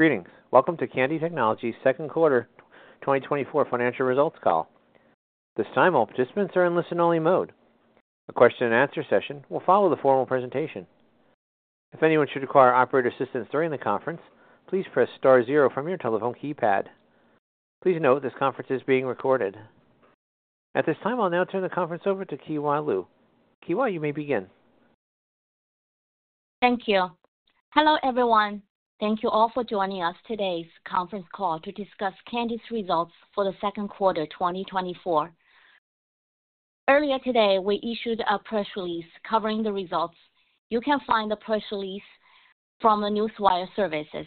Greetings. Welcome to Kandi Technologies Second Quarter 2024 Financial Results Call. This time, all participants are in listen-only mode. A question and answer session will follow the formal presentation. If anyone should require operator assistance during the conference, please press star zero from your telephone keypad. Please note, this conference is being recorded. At this time, I'll now turn the conference over to Kewa Luo. Kewa, you may begin. Thank you. Hello, everyone. Thank you all for joining us today's conference call to discuss Kandi's results for the second quarter, twenty twenty-four. Earlier today, we issued a press release covering the results. You can find the press release from the Newswire Services.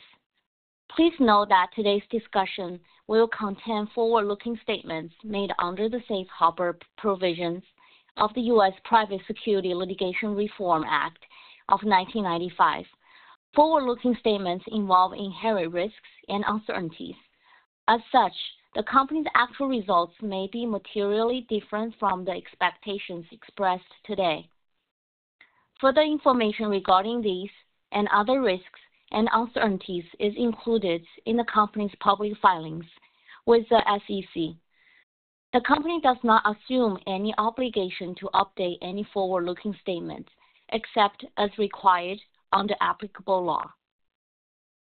Please note that today's discussion will contain forward-looking statements made under the safe harbor provisions of the U.S. Private Securities Litigation Reform Act of nineteen ninety-five. Forward-looking statements involve inherent risks and uncertainties. As such, the company's actual results may be materially different from the expectations expressed today. Further information regarding these and other risks and uncertainties is included in the company's public filings with the SEC. The company des not assume any obligation to update any forward-looking statements, except as required under applicable law.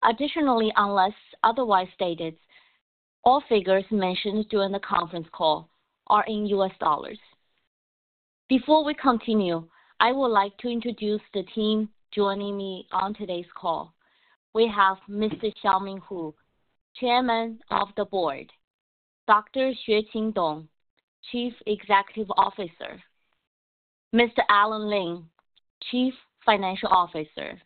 Additionally, unless otherwise stated, all figures mentioned during the conference call are in U.S. dollars. Before we continue, I would like to introduce the team joining me on today's call. We have Mr. Xiaoming Hu, Chairman of the Board, Dr. Xueqing Dong, Chief Executive Officer, Mr. Alan Lim, Chief Financial Officer,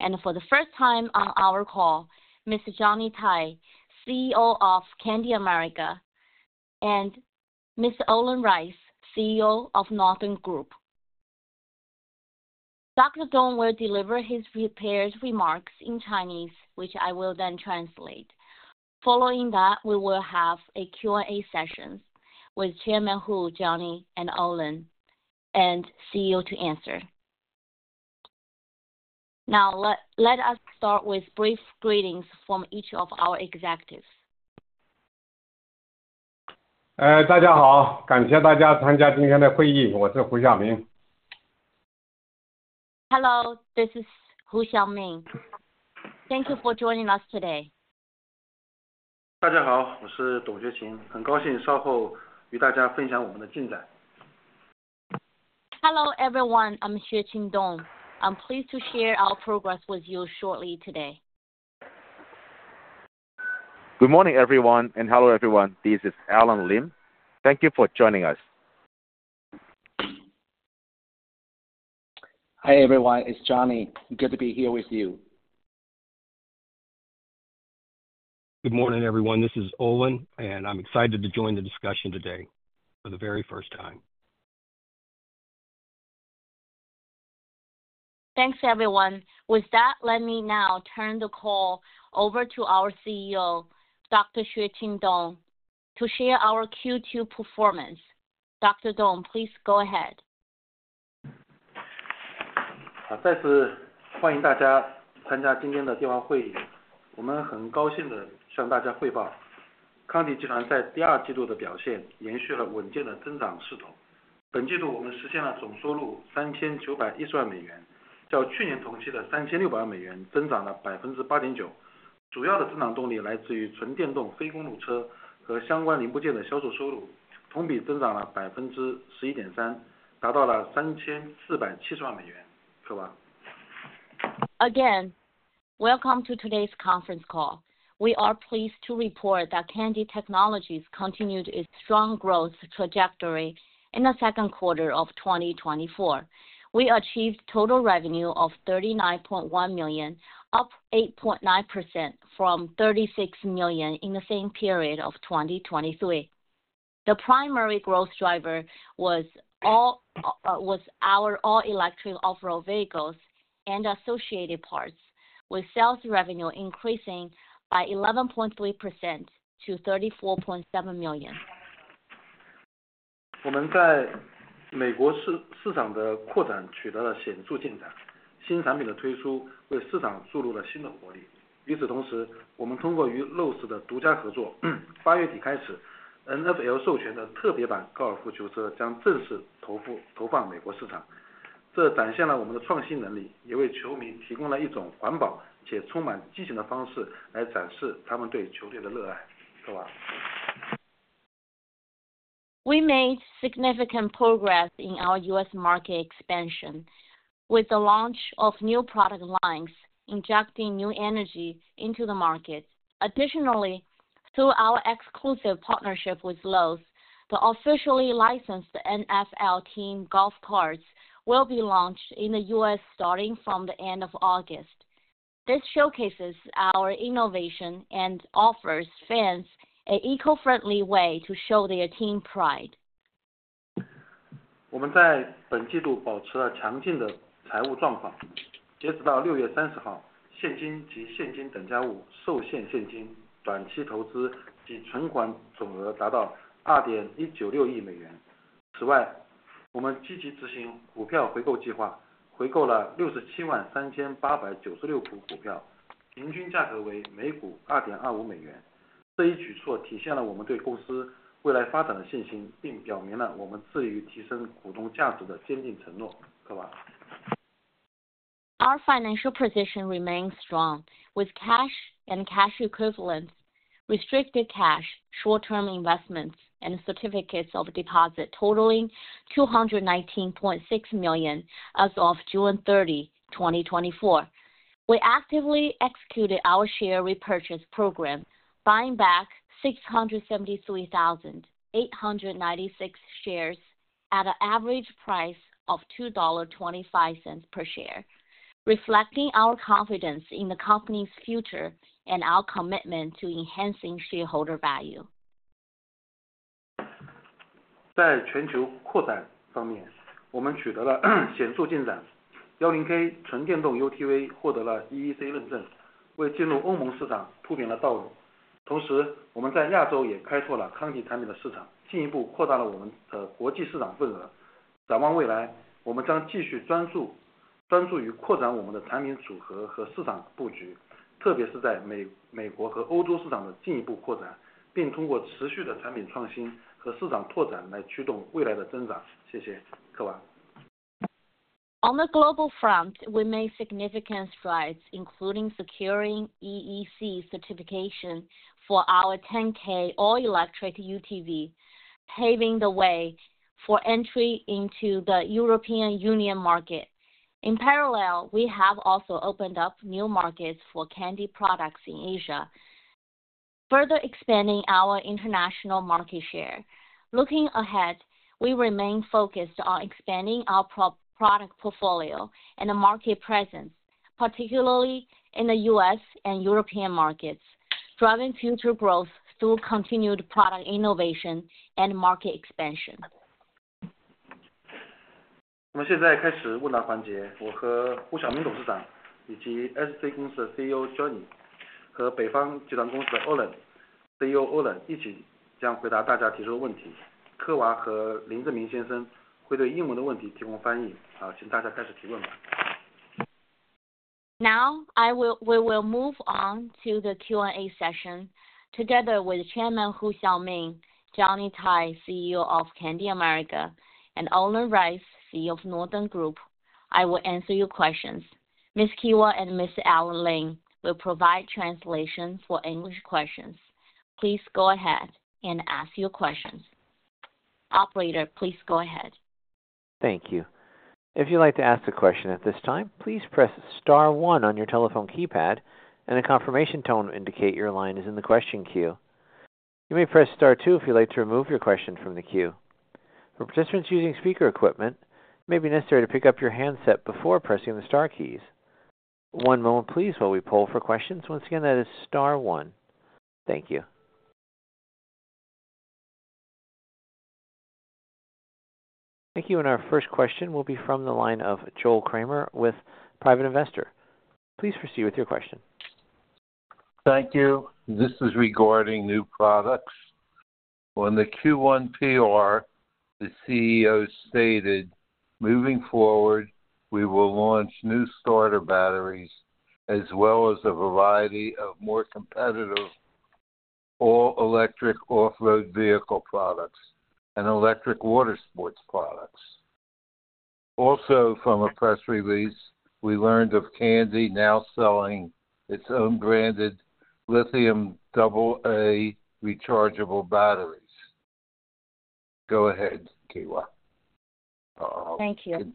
and for the first time on our call, Mr. Johnny Tai, CEO of Kandi America, and Mr. Olin Rice, CEO of Northern Group. Dr. Dong will deliver his prepared remarks in Chinese, which I will then translate. Following that, we will have a Q&A session with Chairman Hu, Johnny, and Olin, and the CEO to answer. Now, let us start with brief greetings from each of our executives. Uh, Hello, this is Hu Xiaoming. Thank you for joining us today. Hello, everyone. I'm Xueqing Dong. I'm pleased to share our progress with you shortly today. Good morning, everyone, and hello, everyone. This is Alan Lim. Thank you for joining us. Hi, everyone, it's Johnny. Good to be here with you. Good morning, everyone. This is Olin, and I'm excited to join the discussion today for the very first time. Thanks, everyone. With that, let me now turn the call over to our CEO, Dr. Xueqing Dong, to share our Q2 performance. Dr. Dong, please go ahead. Again, welcome to today's conference call. We are pleased to report that Kandi Technologies continued its strong growth trajectory in the second quarter of 2024. We achieved total revenue of $39.1 million, up 8.9% from $36 million in the same period of 2023. The primary growth driver was all, was our all-electric off-road vehicles and associated parts, with sales revenue increasing by 11.3% to $34.7 million. We made significant progress in our U.S. market expansion, with the launch of new product lines, injecting new energy into the market. Additionally, through our exclusive partnership with Lowe's, the officially licensed NFL team golf carts will be launched in the U.S., starting from the end of August. This showcases our innovation and offers fans an eco-friendly way to show their team pride.... In addition, we actively executed the stock repurchase plan, repurchased 673,896 shares of stock, at an average price of $2.25 per share. This measure reflects our confidence in the company's future development, and indicates our firm commitment to enhancing shareholder value. Kewa Luo. Our financial position remains strong, with cash and cash equivalents, restricted cash, short term investments and certificates of deposit totaling $219.6 million as of June 30, 2024. We actively executed our share repurchase program, buying back 673,896 shares at an average price of $2.25 per share, reflecting our confidence in the Company's future and our commitment to enhancing shareholder value. 在全球扩展方面，我们取得了显著进展。E10K纯电动UTV获得了EEC认证，为进入欧盟市场铺平了道路。同时，我们在亚洲也开拓了Kandi产品的市场，进一步扩大了我们的国际市场份额。展望未来，我们将继续专注 于扩展我们的产品组合和市场布局，特别是在美国和欧洲市场的进一步扩展，并通过持续的产品创新和市场拓展来驱动未来的增长。谢谢，Kewa。On the global front, we made significant strides, including securing EEC certification for our 10K all-electric UTV, paving the way for entry into the European Union market. In parallel, we have also opened up new markets for Kandi products in Asia, further expanding our international market share. Looking ahead, we remain focused on expanding our product portfolio and market presence, particularly in the U.S. and European markets, driving future growth through continued product innovation and market expansion. So now we begin the Q&A session. I and Chairman Xiaoming Hu, as well as Johnny, CEO of Kandi America, and Olin, CEO of Northern Group, will answer the questions raised by everyone together. Kewa and Mr. Jianming Lim will provide translations for the English questions. Okay, please everyone begin asking questions. Now, we will move on to the Q&A session together with Chairman Xiaoming Hu, Johnny Tai, CEO of Kandi America, and Olin Rice, CEO of Northern Group. I will answer your questions. Miss Kewa Luo and Mr. Alan Lim will provide translation for English questions. Please go ahead and ask your questions. Operator, please go ahead. Thank you. If you'd like to ask a question at this time, please press star one on your telephone keypad and a confirmation tone indicate your line is in the question queue. You may press star two if you'd like to remove your question from the queue. For participants using speaker equipment, it may be necessary to pick up your handset before pressing the star keys. One moment please, while we pull for questions. Once again, that is star one. Thank you. Thank you. And our first question will be from the line of Joel Cramer with Private Investor. Please proceed with your question. Thank you. This is regarding new products. On the Q1PR, the CEO stated, "Moving forward, we will launch new starter batteries, as well as a variety of more competitive all-electric off-road vehicle products and electric water sports products." Also, from a press release, we learned of Kandi now selling its own branded lithium double A rechargeable batteries. Go ahead, Kewa. Thank you.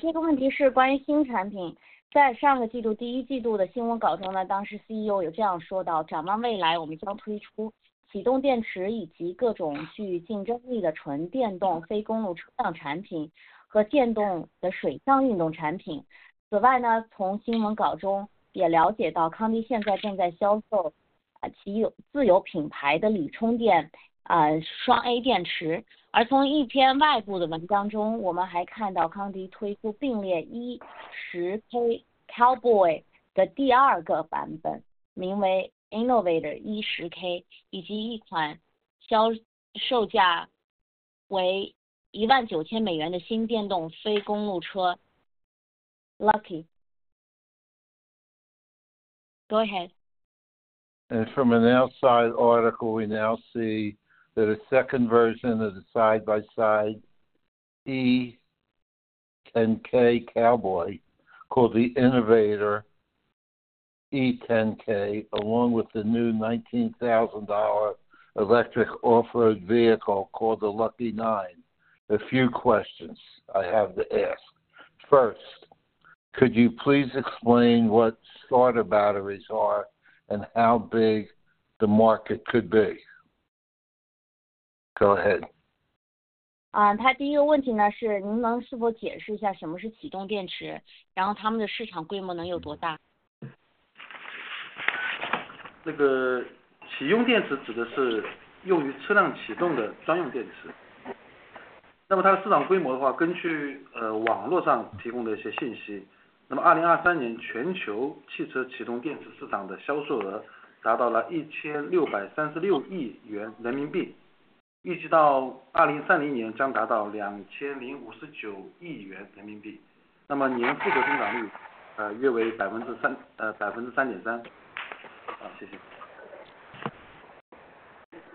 这个问题是关于新产 品， 在上个季度第一季度的新闻稿中 呢， 当时 CEO 有这样说 到： 展望未 来， 我们将推出启动电池以及各种具竞争力的纯电动非公路车辆产品和电动的水上运动产品。此外 呢， 从新闻稿中也了解 到， 康迪现在正在销售其自有品牌的锂充 电， AA 电池。而从一篇外部的文章 中， 我们还看到康迪推出并列 E10K Cowboy 的第二个版 本， 名为 Innovator E10K， 以及一款销售价为 $19,000 的新电动非公路车。Lucky. Go ahead. And from an outside article, we now see that a second version of the side-by-side E10K Cowboy, called the Innovator E10K, along with the new $19,000 electric off-road vehicle called the Lucky T9. A few questions I have to ask. First, could you please explain what starter batteries are and how big the market could be? Go ahead. 他第一个问题呢，是，您能否解释一下什么是启动电池，然后他们的市场规模能有多大？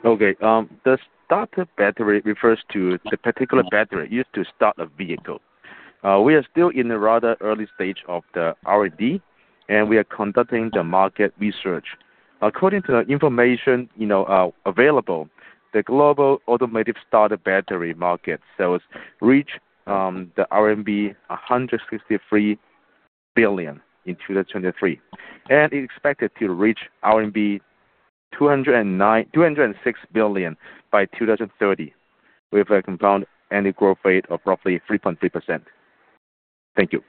Okay, the starter battery refers to the particular battery used to start a vehicle. We are still in the rather early stage of the R&D, and we are conducting the market research. According to the information available, the global automotive starter battery market sales reach RMB 163 billion in 2023, and is expected to reach 206 billion by 2030, with a compound annual growth rate of roughly 3.3%. Thank you.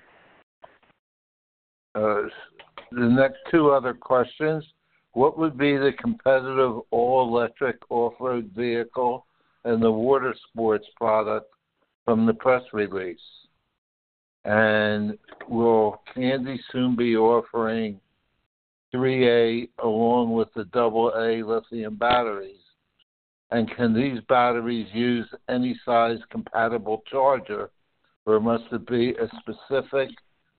The next two other questions: What would be the competitive all-electric off-road vehicle and the water sports product from the press release? And will Kandi soon be offering AAA along with the AA lithium batteries? And can these batteries use any size-compatible charger, or must it be a specific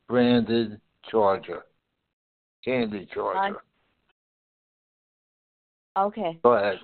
branded charger, Kandi charger? Okay. Go ahead.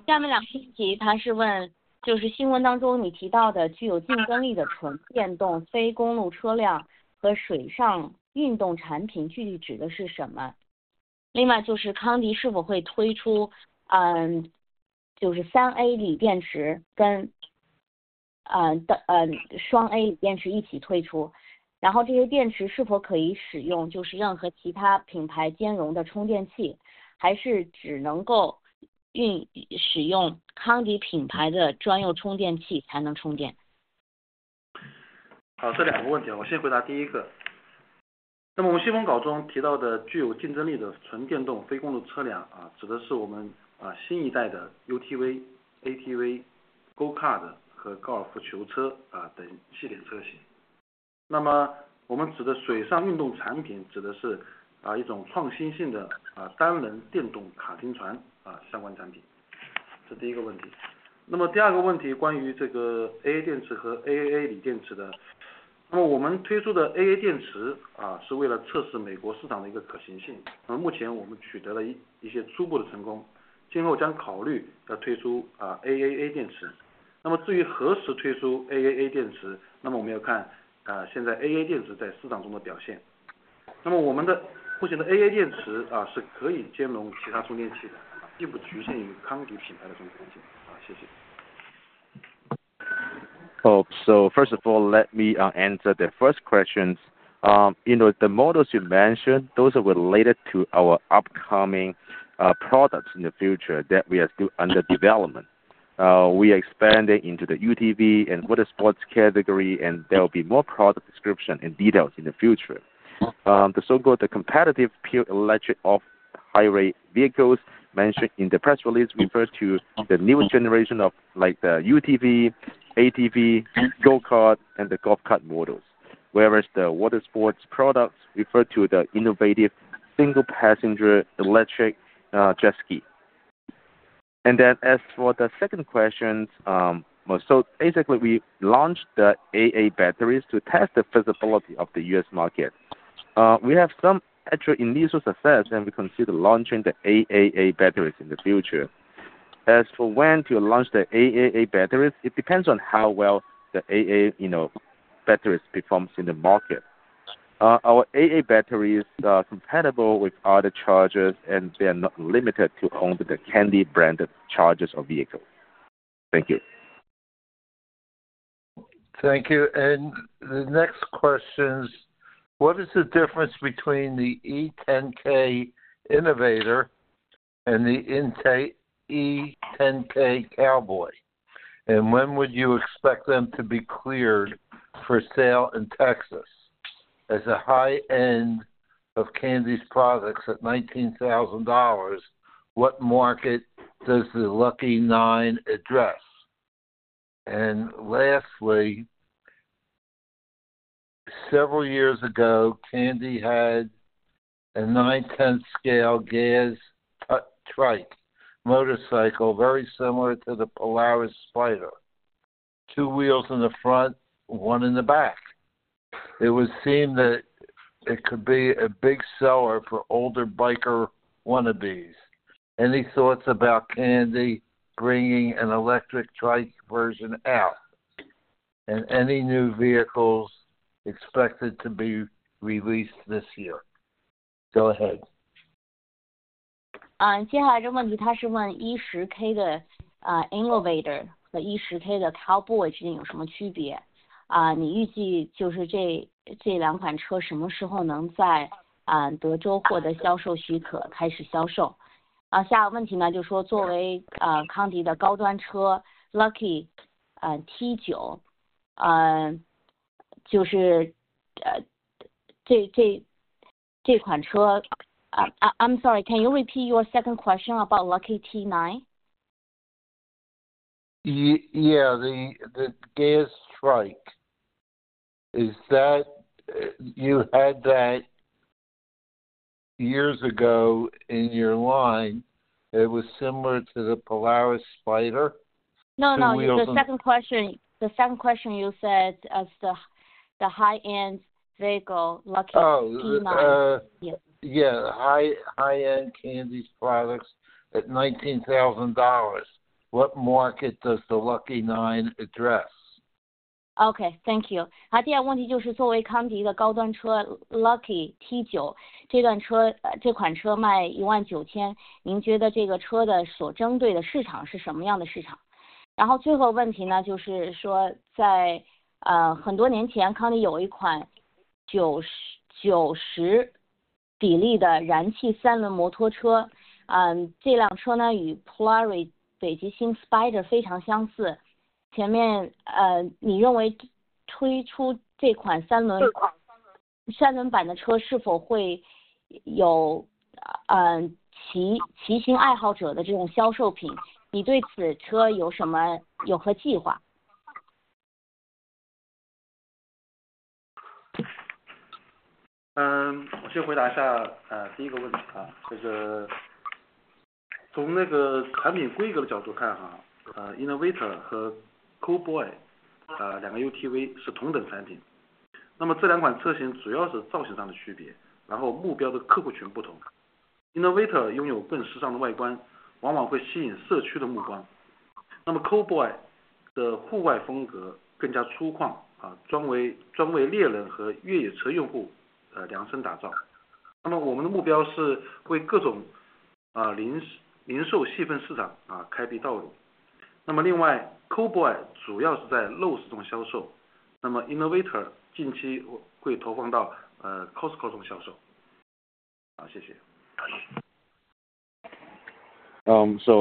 好，这两个问题，我先回答第一个。那么我们新闻稿中提到的具有竞争力的纯电动非公路车辆，指的是我们，新一代的UTV、ATV、Go-Kart和高尔夫球车，等系列车型。那么我们指的水上运动产品，指的是一种创新性的，单人电动卡丁船，相关产品。这第一个问题。那么第二个问题，关于这个AA电池和AAA锂电池的。那么我们推出的AA电池，是为了测试美国市场的一个可行性，那么目前我们取得了一些初步的成功，今后将考虑要推出，AAA电池。那么至于何时推出AAA电池，那么我们要看，现在AA电池在市场中的表现。那么我们目前的AA电池，是可以兼容其他充电器的，并不局限于康迪品牌的充电器。好，谢谢。Oh, so first of all, let me answer the first questions. You know, the models you mentioned, those are related to our upcoming products in the future that we are still under development. We are expanding into the UTV and water sports category, and there will be more product description and details in the future. The so-called competitive pure electric off-highway vehicles mentioned in the press release refers to the new generation of like the UTV, ATV, Go-Kart, and the golf cart models. Whereas the water sports products refer to the innovative single-passenger electric jet ski. And then as for the second questions, so basically we launched the AA batteries to test the feasibility of the U.S. market. We have some initial success, and we consider launching the AAA batteries in the future. As for when to launch the AAA batteries, it depends on how well the AA, you know, batteries performs in the market. Our AA batteries are compatible with other chargers, and they are not limited to only the Kandi branded chargers or vehicles. Thank you. Thank you. And the next questions: What is the difference between the E10K Innovator and the E10K Cowboy? And when would you expect them to be cleared for sale in Texas? As a high-end of Kandi's products at $19,000, what market does the Lucky T9 address? And lastly, several years ago, Kandi had a nine-tenths scale gas trike motorcycle, very similar to the Polaris Spyder, two wheels in the front, one in the back. It would seem that it could be a big seller for older biker wannabes. Any thoughts about Kandi bringing an electric trike version out? And any new vehicles expected to be released this year? Go ahead. 接下来这个 问题， 他是问 E10K 的 Innovator 和 E10K 的 Cowboy 之间有什么 区别？ 你预计就是这两款车什么时候能在 Texas 获得销售 许可， 开始销售。下一个问题 呢， 就说作为 Kandi 的高端 车， Lucky T9， 就是这款 车... I'm sorry, can you repeat your second question about Lucky T9? Yeah, the gas trike. Is that you had that years ago in your line, it was similar to the Polaris Spyder? No, no, the second question, the second question you said as the high-end vehicle, Lucky- Oh, uh- T9. Yeah, high-end Canadian products at $19,000. What market does the Lucky T9 address? Okay, thank you. 说话了，Lucky 我先回答一下，第一个问题。这个，从那个产品规格的角度看，Innovator 和 Cowboy，两个 UTV 是同等产品，那么这两款车型主要是在造型上的区别，然后目标的客户群不同。Innovator 拥有更时尚的外观，常常会吸引社区的眼光，那么 Cowboy 的户外风格更加粗犷，专为猎人和越野车用户量身打造。那么我们的目标是为各种零售细分市场，开辟道路。那么另外，Cowboy 主要是在 Lowe's 中销售，那么 Innovator 近期会投放到了 Costco 中销售。好，谢谢。So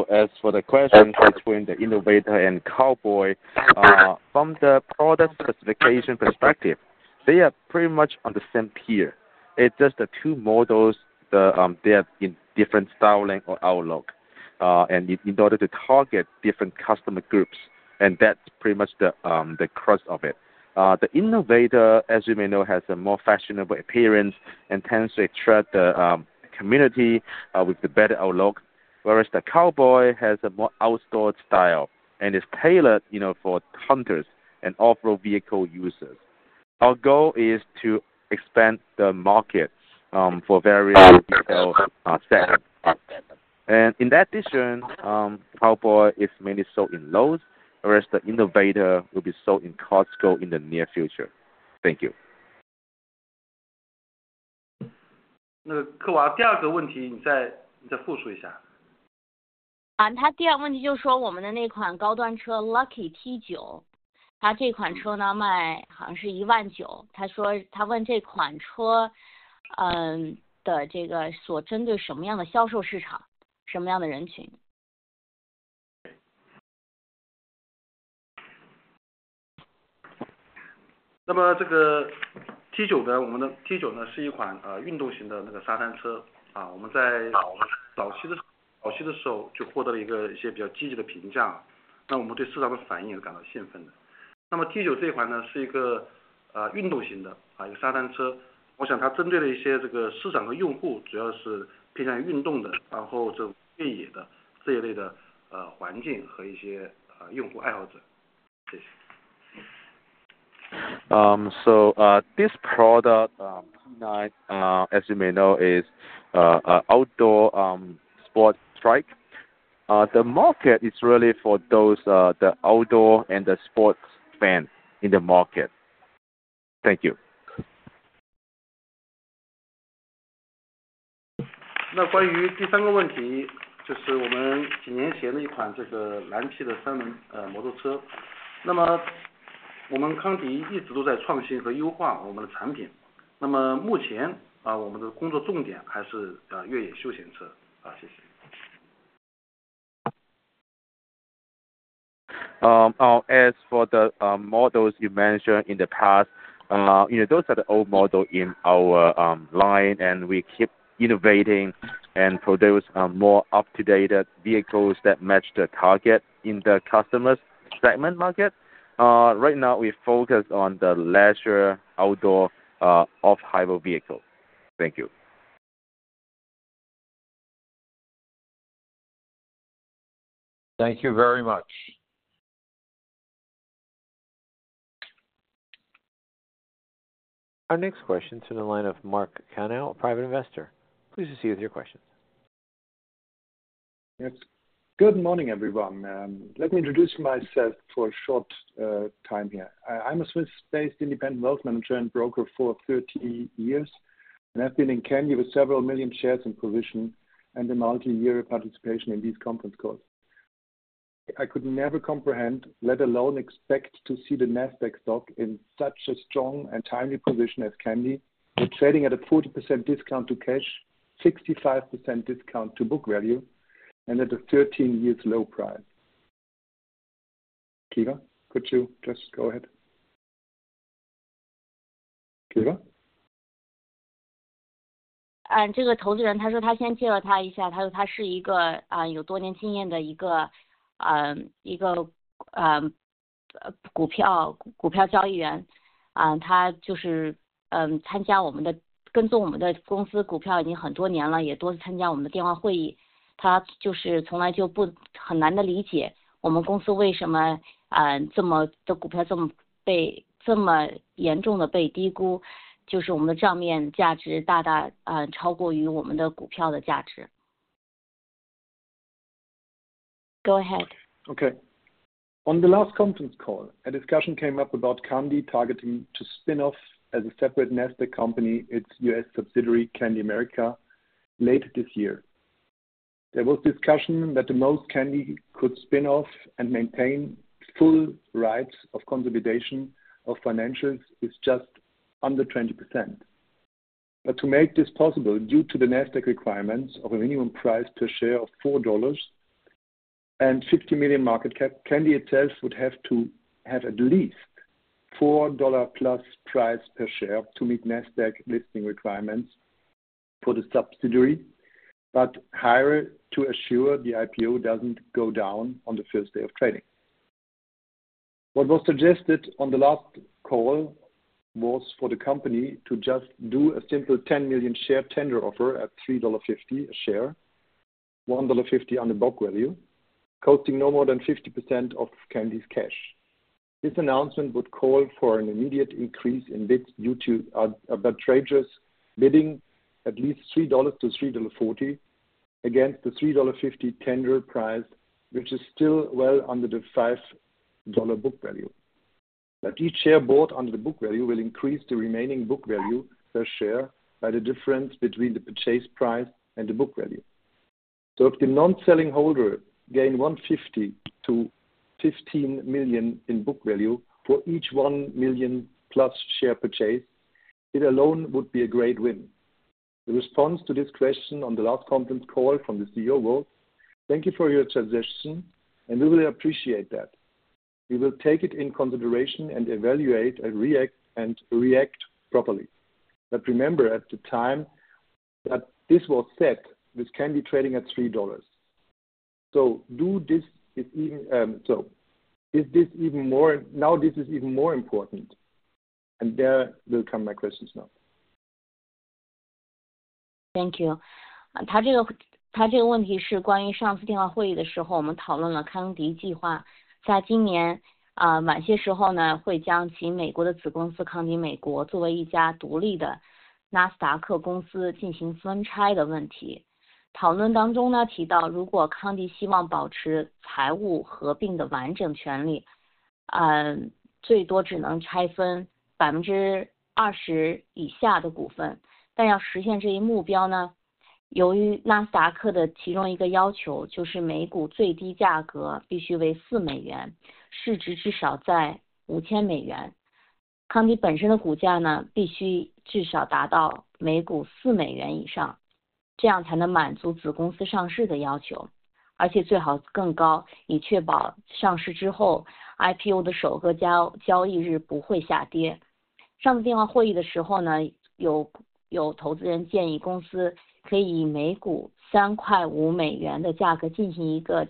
as for the question between the Innovator and Cowboy, from the product specification perspective, they are pretty much on the same tier. It's just the two models, they have different styling or outlook, and in order to target different customer groups, and that's pretty much the crux of it. The Innovator, as you may know, has a more fashionable appearance and tends to attract the community with the better outlook. Whereas the Cowboy has a more outdoor style and is tailored, you know, for hunters and off-road vehicle users. Our goal is to expand the markets for various retail sectors. In addition, Cowboy is mainly sold in Lowe's, whereas the Innovator will be sold in Costco in the near future. Thank you. 那科王，第二个问题，你再复述一下。他的第二个问题就是说我们的那款高端车，Lucky So, this product, T9, as you may know, is an outdoor sports trike. The market is really for those, the outdoor and the sports fan in the market. Thank you. 那么，关于第三个问题，就是我们几年前的一款这个燃气的三轮摩托车。那么，我们康迪一直都在创新和优化我们的产品，那么目前，我们的工作重点还是越野休闲车。谢谢。As for the models you mentioned in the past, you know, those are the old model in our line, and we keep innovating and produce more up-to-date vehicles that match the target in the customer's segment market. Right now we focus on the leisure, outdoor, off-highway vehicle. Thank you. Thank you very much. Our next question is from the line of Mark Canal, private investor. Please proceed with your questions. Good morning, everyone. Let me introduce myself for a short time here. I'm a Swiss-based independent wealth manager and broker for thirty years, and I've been in Canada with several million shares in position and a multi-year participation in these conference calls. I could never comprehend, let alone expect to see the NASDAQ stock in such a strong and timely position as Kandi, with trading at a 40% discount to cash, 65% discount to book value, and at a thirteen-year low price. Peter, could you just go ahead? Peter? 这个投资者他说他先介绍一下。他说他是一个，有多年经验的一个，一个...... Uh, the stock, the stock trader, ah, he is, um, participating in ours, tracking our company's stock already for many years, also multiple times participating in our telephone conferences. He is always not, very hard to understand our company why, ah, so many stocks, so being, so severely being undervalued, that is our book value greatly, uh, exceeds our stock's value. Go ahead. On the last conference call, a discussion came up about Kandi targeting to spin-off as a separate NASDAQ company its U.S. subsidiary Kandi America later this year. There was discussion that the most Kandi could spin off and maintain full rights of consolidation of financials is just under 20%. But to make this possible, due to the NASDAQ requirements of a minimum price per share of $4 and $50 million market cap, Kandi itself would have to have at least $4 plus price per share to meet NASDAQ listing requirements for the subsidiary, but higher to assure the IPO doesn't go down on the first day of trading. What was suggested on the last call was for the company to just do a simple ten million share tender offer at $3.50 a share, $1.50 on the book value, costing no more than 50% of Kandi's cash. This announcement would call for an immediate increase in bids due to the traders bidding at least $3-$3.40 against the $3.50 tender price, which is still well under the $5 book value. But each share bought under the book value will increase the remaining book value per share by the difference between the purchase price and the book value. So if the non-selling holder gain $1.50 to $15 million in book value for each 1 million-plus share purchase, it alone would be a great win. The response to this question on the last conference call from the CEO was: Thank you for your suggestion, and we will appreciate that. We will take it in consideration and evaluate and react, and react properly. But remember at the time that this was set, which can be trading at $3. So do this is even, so is this even more, now this is even more important? And there will come my questions now. Thank you. This question is about the last conference call, when we discussed Kandi's plan to spin off its U.S. subsidiary Kandi America as an independent NASDAQ company later this year. In the discussion, it was mentioned that if Kandi wants to maintain the full rights to financial consolidation, it can only spin off less than 20% of the shares. But to achieve this goal, due to one of NASDAQ's requirements being that the minimum price per share must be $4, market value at least $50 million. Kandi's own stock price must at least reach above $4 per share, this way it can meet the subsidiary's listing requirements, and preferably higher, to ensure that after the IPO, the first trading day will not fall. During the last conference call, investors suggested that the company could conduct a simple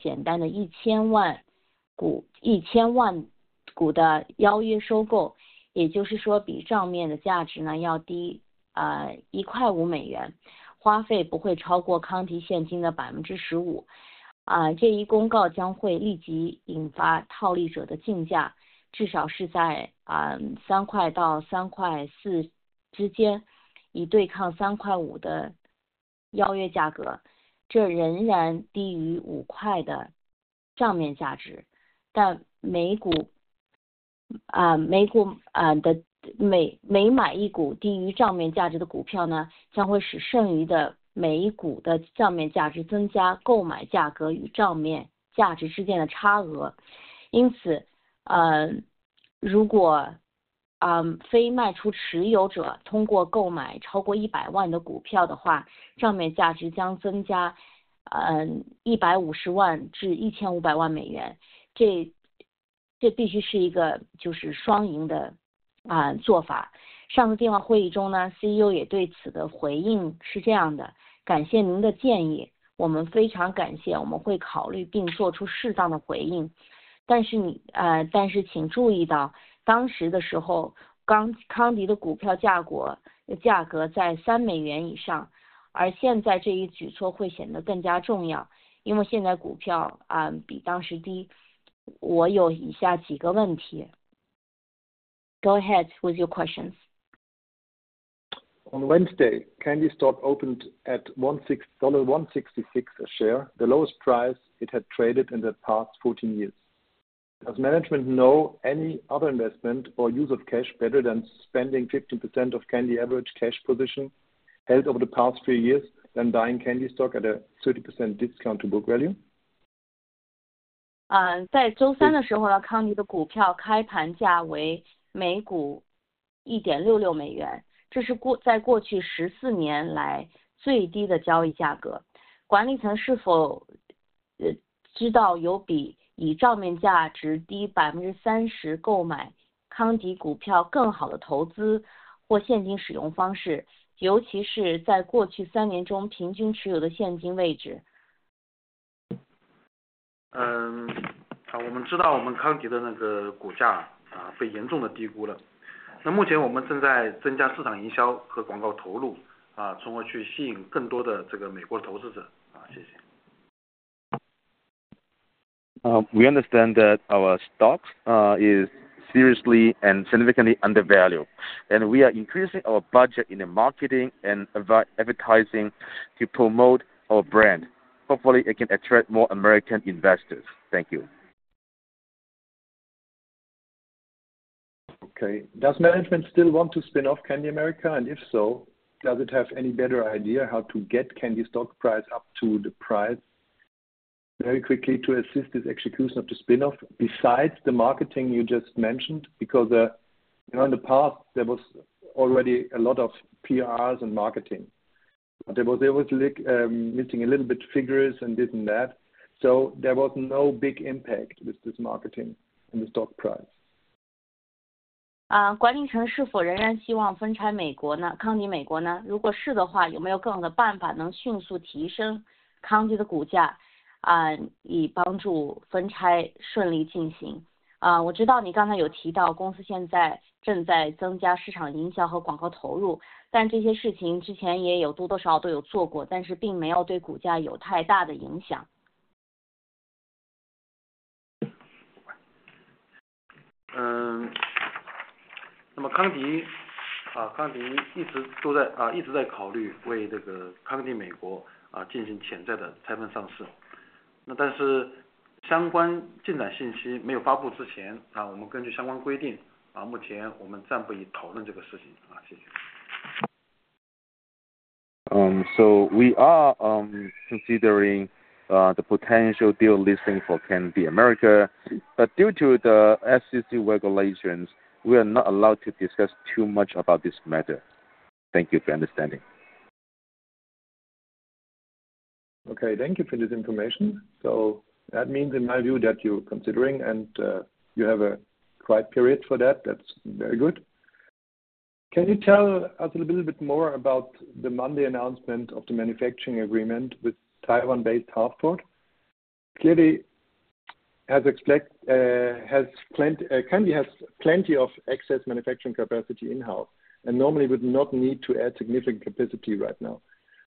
10 million share tender offer at $3.5 per share, that is $1.5 lower than the book value, cost will not exceed 15% of Kandi's cash. This announcement will immediately trigger arbitrageurs' bidding, at least between $3 and $3.4, to compete against the $3.5 offer price, this still lower than $5 book value. But every share bought below book value will make the remaining every share's book value increase by the difference between the purchase price and book value. Therefore, if non-selling holders buy over 1 million shares, book value will increase $1.5 million to $15 million, this must be a win-win approach. In the last conference call, CEO's response was this: Thank you for your suggestion, we very much appreciate, we will consider and make appropriate response. But please note that at that time, Kandi's stock price was above $3, and now this measure will appear even more important, because now stock is lower than then. I have the following questions. Go ahead with your questions. On Wednesday, Kandi stock opened at $1.66 a share, the lowest price it had traded in the past fourteen years. Does management know any other investment or use of cash better than spending 50% of Kandi average cash position held over the past three years, then buying Kandi stock at a 30% discount to book value? We understand that our stock is seriously and significantly undervalued, and we are increasing our budget in the marketing and advertising to promote our brand. Hopefully, it can attract more American investors. Thank you. Okay, does management still want to spin off Kandi America? And if so, does it have any better idea how to get Kandi stock price up to the price very quickly to assist this execution of the spin off, besides the marketing you just mentioned? Because, you know, in the past there was already a lot of PRs and marketing, but there was like, missing a little bit figures and this and that. So there was no big impact with this marketing and the stock price. So we are considering the potential spin-off listing for Kandi America, but due to the SEC regulations, we are not allowed to discuss too much about this matter. Thank you for understanding. Okay, thank you for this information. So that means, in my view, that you're considering and you have a quiet period for that. That's very good. Can you tell us a little bit more about the Monday announcement of the manufacturing agreement with Taiwan-based Hartford? Clearly, as expected, has plenty—Kandi has plenty of excess manufacturing capacity in-house, and normally would not need to add significant capacity right now.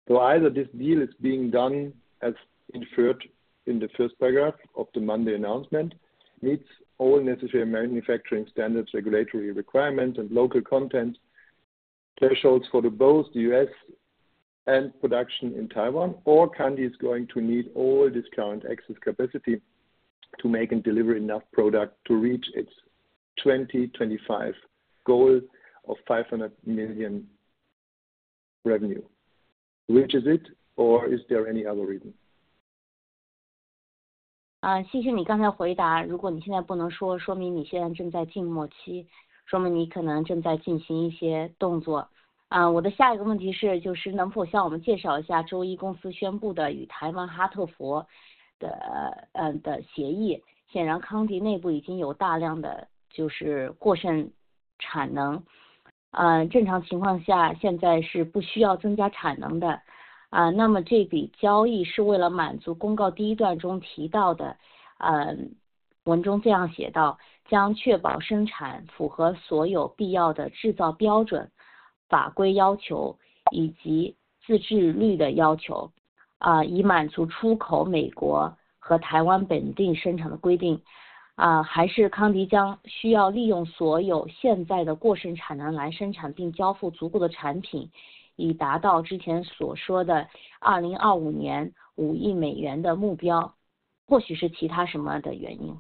So either this deal is being done, as inferred in the first paragraph of the Monday announcement, meets all necessary manufacturing standards, regulatory requirements, and local content thresholds for both the U.S. and production in Taiwan. Or Kandi is going to need all this current excess capacity to make and deliver enough product to reach its 2025 goal of five hundred million revenue, which is it? Or is there any other reason? million的目标，或许是其他什么的原因。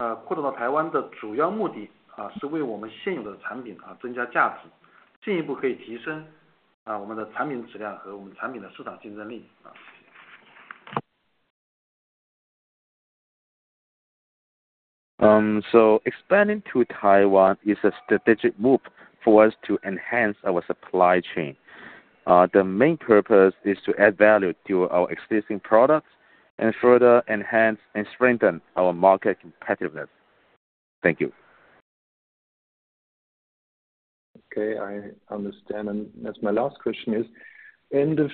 扩展到台湾，是我们加强供应链的战略举措，那么我们，扩展到台湾的主要目的是，为我们现有的产品增加价值，进一步可以提升，我们的产品质量和我们产品的市场竞争力。So expanding to Taiwan is a strategic move for us to enhance our supply chain. The main purpose is to add value to our existing products and further enhance and strengthen our market competitiveness. Thank you. Okay, I understand. And as my last question is, end of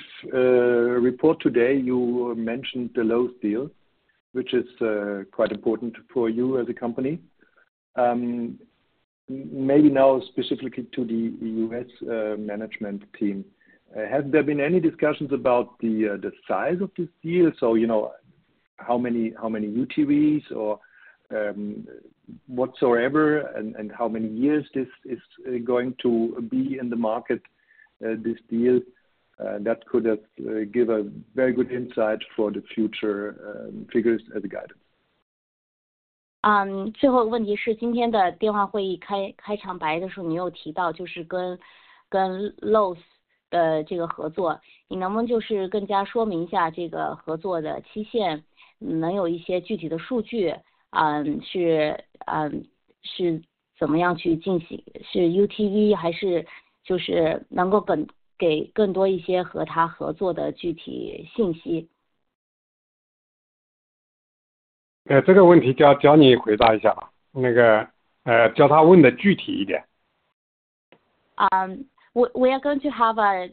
report today, you mentioned the Lowe's deal, which is quite important for you as a company. Maybe now specifically to the U.S. management team, has there been any discussions about the size of this deal? So, you know, how many UTVs or whatsoever and how many years this is going to be in the market, this deal? That could give a very good insight for the future figures as a guide. 最后一个问题是，今天的电话会议开场白的时候，你有提到跟Lowe's的这个合作，你能不能更加说明一下这个合作的期限，能有一些具体的数据，是怎么样去进行？是UTV，还是能够给更多一些和他合作的具体信息。... this question, Johnny, answer it. Make ask him to be more specific. We are going to have a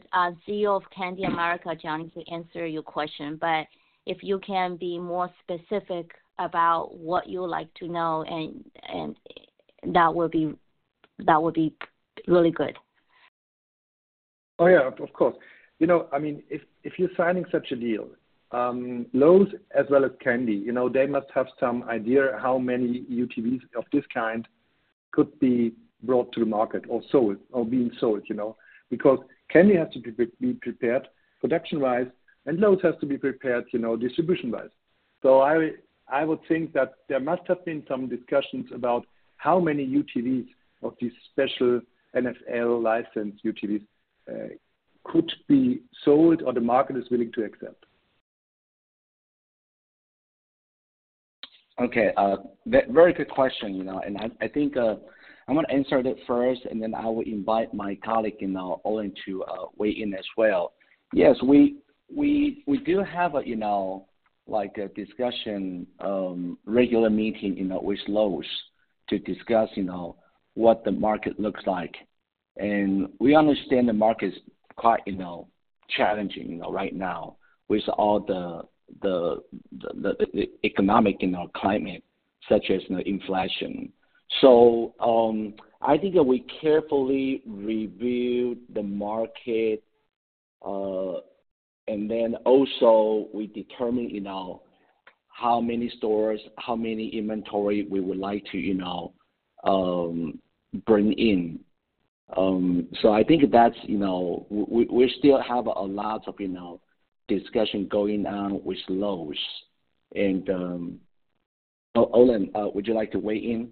CEO of Kandi America, Johnny, to answer your question, but if you can be more specific about what you would like to know and that will be, that would be really good. Oh, yeah, of course. You know, I mean, if you're signing such a deal, Lowe's as well as Kandi, you know, they must have some idea how many UTVs of this kind could be brought to the market or sold or being sold, you know? Because Kandi has to be prepared production-wise and Lowe's has to be prepared, you know, distribution-wise. So I would think that there must have been some discussions about how many UTVs of these special NFL licensed UTVs could be sold or the market is willing to accept. Okay, very good question, you know, and I think I'm gonna answer that first, and then I will invite my colleague, you know, Olin to weigh in as well. Yes, we do have a, you know, like a discussion, regular meeting, you know, with Lowe's to discuss, you know, what the market looks like. And we understand the market is quite, you know, challenging, you know, right now with all the economic climate, such as, you know, inflation. So, I think that we carefully review the market, and then also we determine, you know, how many stores, how many inventory we would like to, you know, bring in. So I think that's, you know... We still have a lot of, you know, discussion going on with Lowe's, and Olin, would you like to weigh in?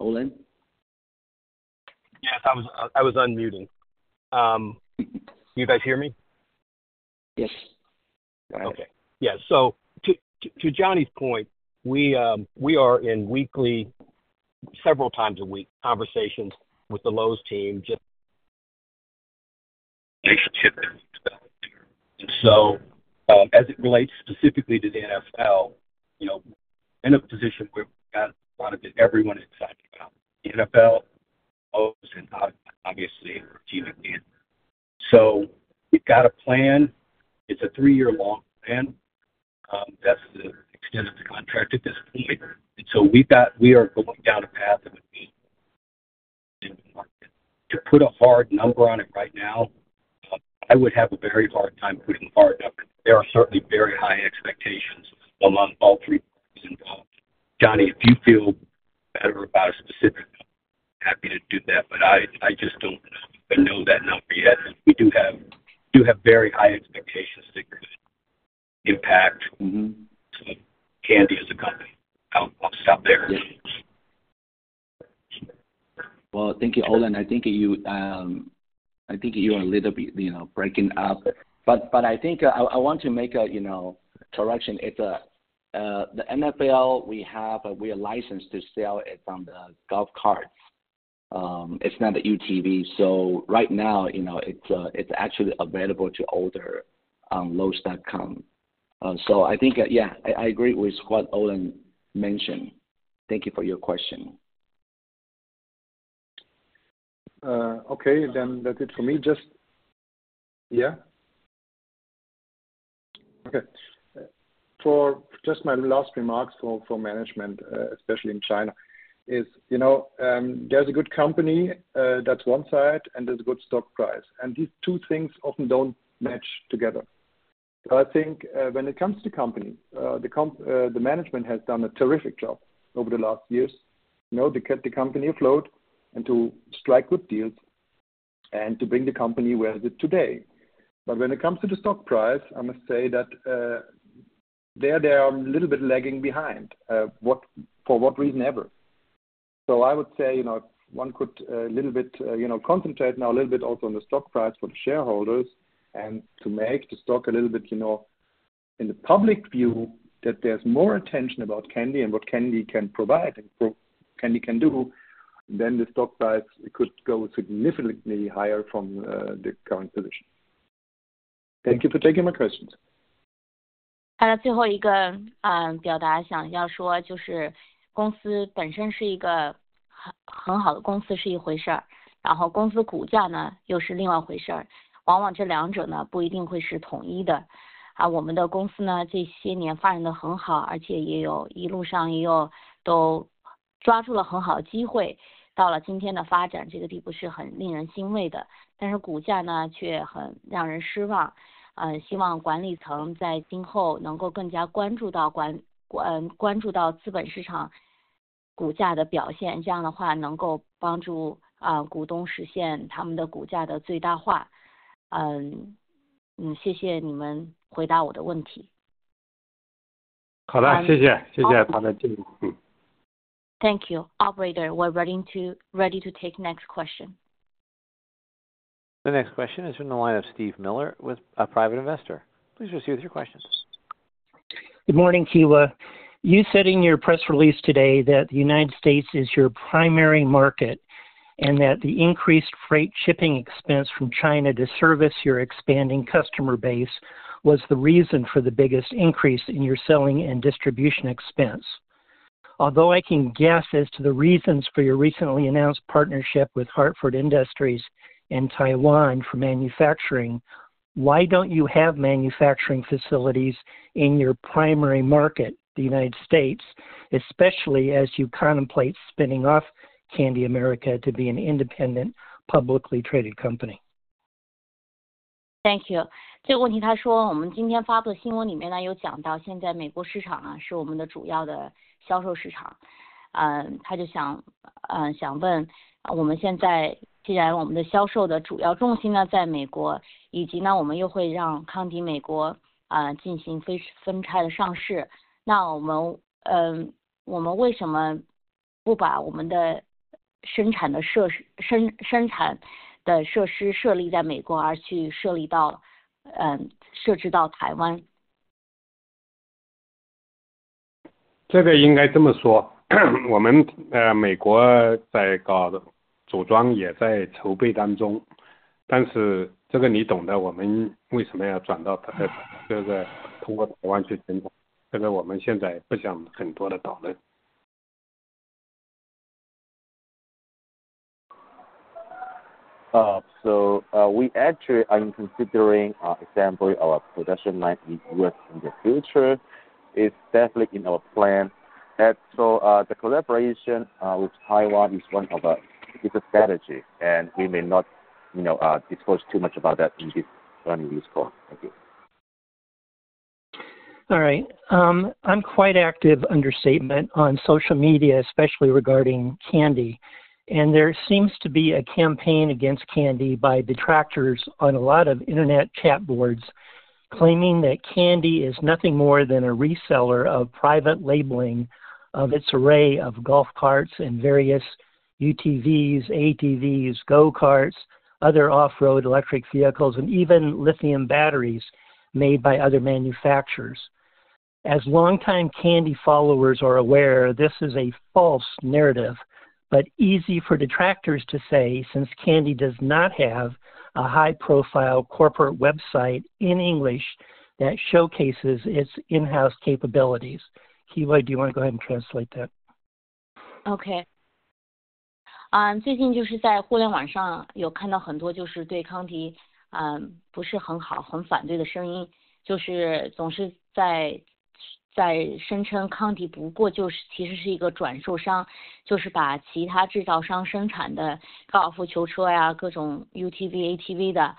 Olin? Yes, I was unmuting. Can you guys hear me? Yes. Okay. Yeah, so to Johnny's point, we are in weekly, several times a week, conversations with the Lowe's team. So, as it relates specifically to the NFL, you know, we're in a position where we've got a lot of everyone excited about NFL, Lowe's, and obviously our team at Kandi. So we've got a plan. It's a three-year long plan, that's the extent of the contract at this point. And so we are going down a path that would be in the market. To put a hard number on it right now, I would have a very hard time putting a hard number. There are certainly very high expectations among all three parties involved. Johnny, if you feel better about a specific number, I'm happy to do that, but I just don't know that number yet. We do have very high expectations to impact- Mm-hmm. Kandi as a company. I'll stop there. Thank you, Olin. I think you, I think you're a little bit, you know, breaking up. But I think I want to make a, you know, correction. It's the NFL, we have a, we are licensed to sell it on the golf carts. It's not the UTV. So right now, you know, it's actually available to order on lowes.com. So I think, yeah, I agree with what Olin mentioned. Thank you for your question. Okay, then that's it for me. Just... Yeah? Okay. For just my last remarks for management, especially in China, is, you know, there's a good company, that's one side, and there's a good stock price, and these two things often don't match together. So I think, when it comes to company, the management has done a terrific job over the last years, you know, to keep the company afloat and to strike good deals and to bring the company where it is today. But when it comes to the stock price, I must say that, there they are a little bit lagging behind, what, for what reason ever. So I would say, you know, one could little bit you know concentrate now a little bit also on the stock price for the shareholders, and to make the stock a little bit, you know, in the public view, that there's more attention about Kandi and what Kandi can provide and Kandi can do, then the stock price could go significantly higher from the current position. Thank you for taking my questions. And then, last thing, I want to say is, the company itself is a very good company, and the company's stock price is another thing. Often, these two things are not necessarily the same. Our company has developed very well over the years, and we have also seized many good opportunities along the way. It is very gratifying to see the development we have achieved today. But the stock price is quite disappointing. I hope the management will pay more attention to the stock price performance in the capital market in the future. This would help, shareholders maximize the value of their stocks. Thank you for answering my questions. Okay. Thank you. Thank you. Thank you. Operator, we're ready to take next question. The next question is from the line of Steve Miller with a private investor. Please proceed with your questions. ...Good morning, Kewa. You said in your press release today that the United States is your primary market, and that the increased freight shipping expense from China to service your expanding customer base was the reason for the biggest increase in your selling and distribution expense. Although I can guess as to the reasons for your recently announced partnership with Hartford Industrial in Taiwan for manufacturing, why don't you have manufacturing facilities in your primary market, the United States, especially as you contemplate spinning off Kandi America to be an independent, publicly traded company? Thank you. Regarding the language issue, he said that in the news we released today, it mentions that the current U.S. market is our main sales market. He wants to ask, since our sales' main focus is now in the U.S., and we will let Kandi America conduct a spin-off listing, then why don't we establish our production facilities in the U.S., but instead establish them... 设置到台湾？ 这个应该这么说，我们呃，美国在搞组装也在筹备当中，但是这个你懂的，我们为什么要转到这个，通过台湾去推动，这个我们现在不想很多的讨论。So, we actually are considering assembly our production line in U.S. in the future. It's definitely in our plan. And so, the collaboration with Taiwan is one of a, it's a strategy, and we may not, you know, disclose too much about that in this earnings call. Thank you. All right. I'm quite active under my own name on social media, especially regarding Kandi, and there seems to be a campaign against Kandi by detractors on a lot of internet chat boards, claiming that Kandi is nothing more than a reseller of private labeling of its array of golf carts and various UTVs, ATVs, go-karts, other off-road electric vehicles, and even lithium batteries made by other manufacturers. As longtime Kandi followers are aware, this is a false narrative, but easy for detractors to say, since Kandi does not have a high-profile corporate website in English that showcases its in-house capabilities. Kewa, do you want to go ahead and translate that? OK，最近就是在互联网上，有看到很多就是对康迪，不是很好，很反对的声音，就是总是在声称康迪不过其实就是一个转销商，就是把其他制造商生产的高尔夫球车，各种UTV、ATV的。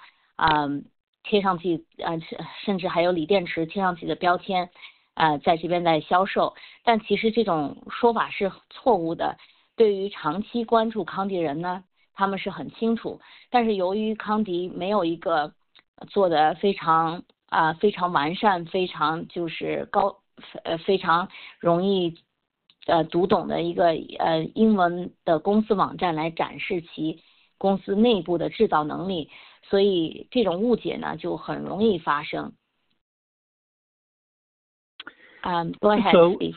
贴上去，甚至还有锂电池贴上自己的标签，在这边再销售。其实这种说法是错误的。对于长期关注康迪人呢，他们是很清楚，但是由于康迪没有一个做得非常，非常完善，非常就是高，非常容易，读懂的一个，英文的公司网站，来展示其公司内部的制造能力，所以这种误解呢，就很容易发生。Go ahead,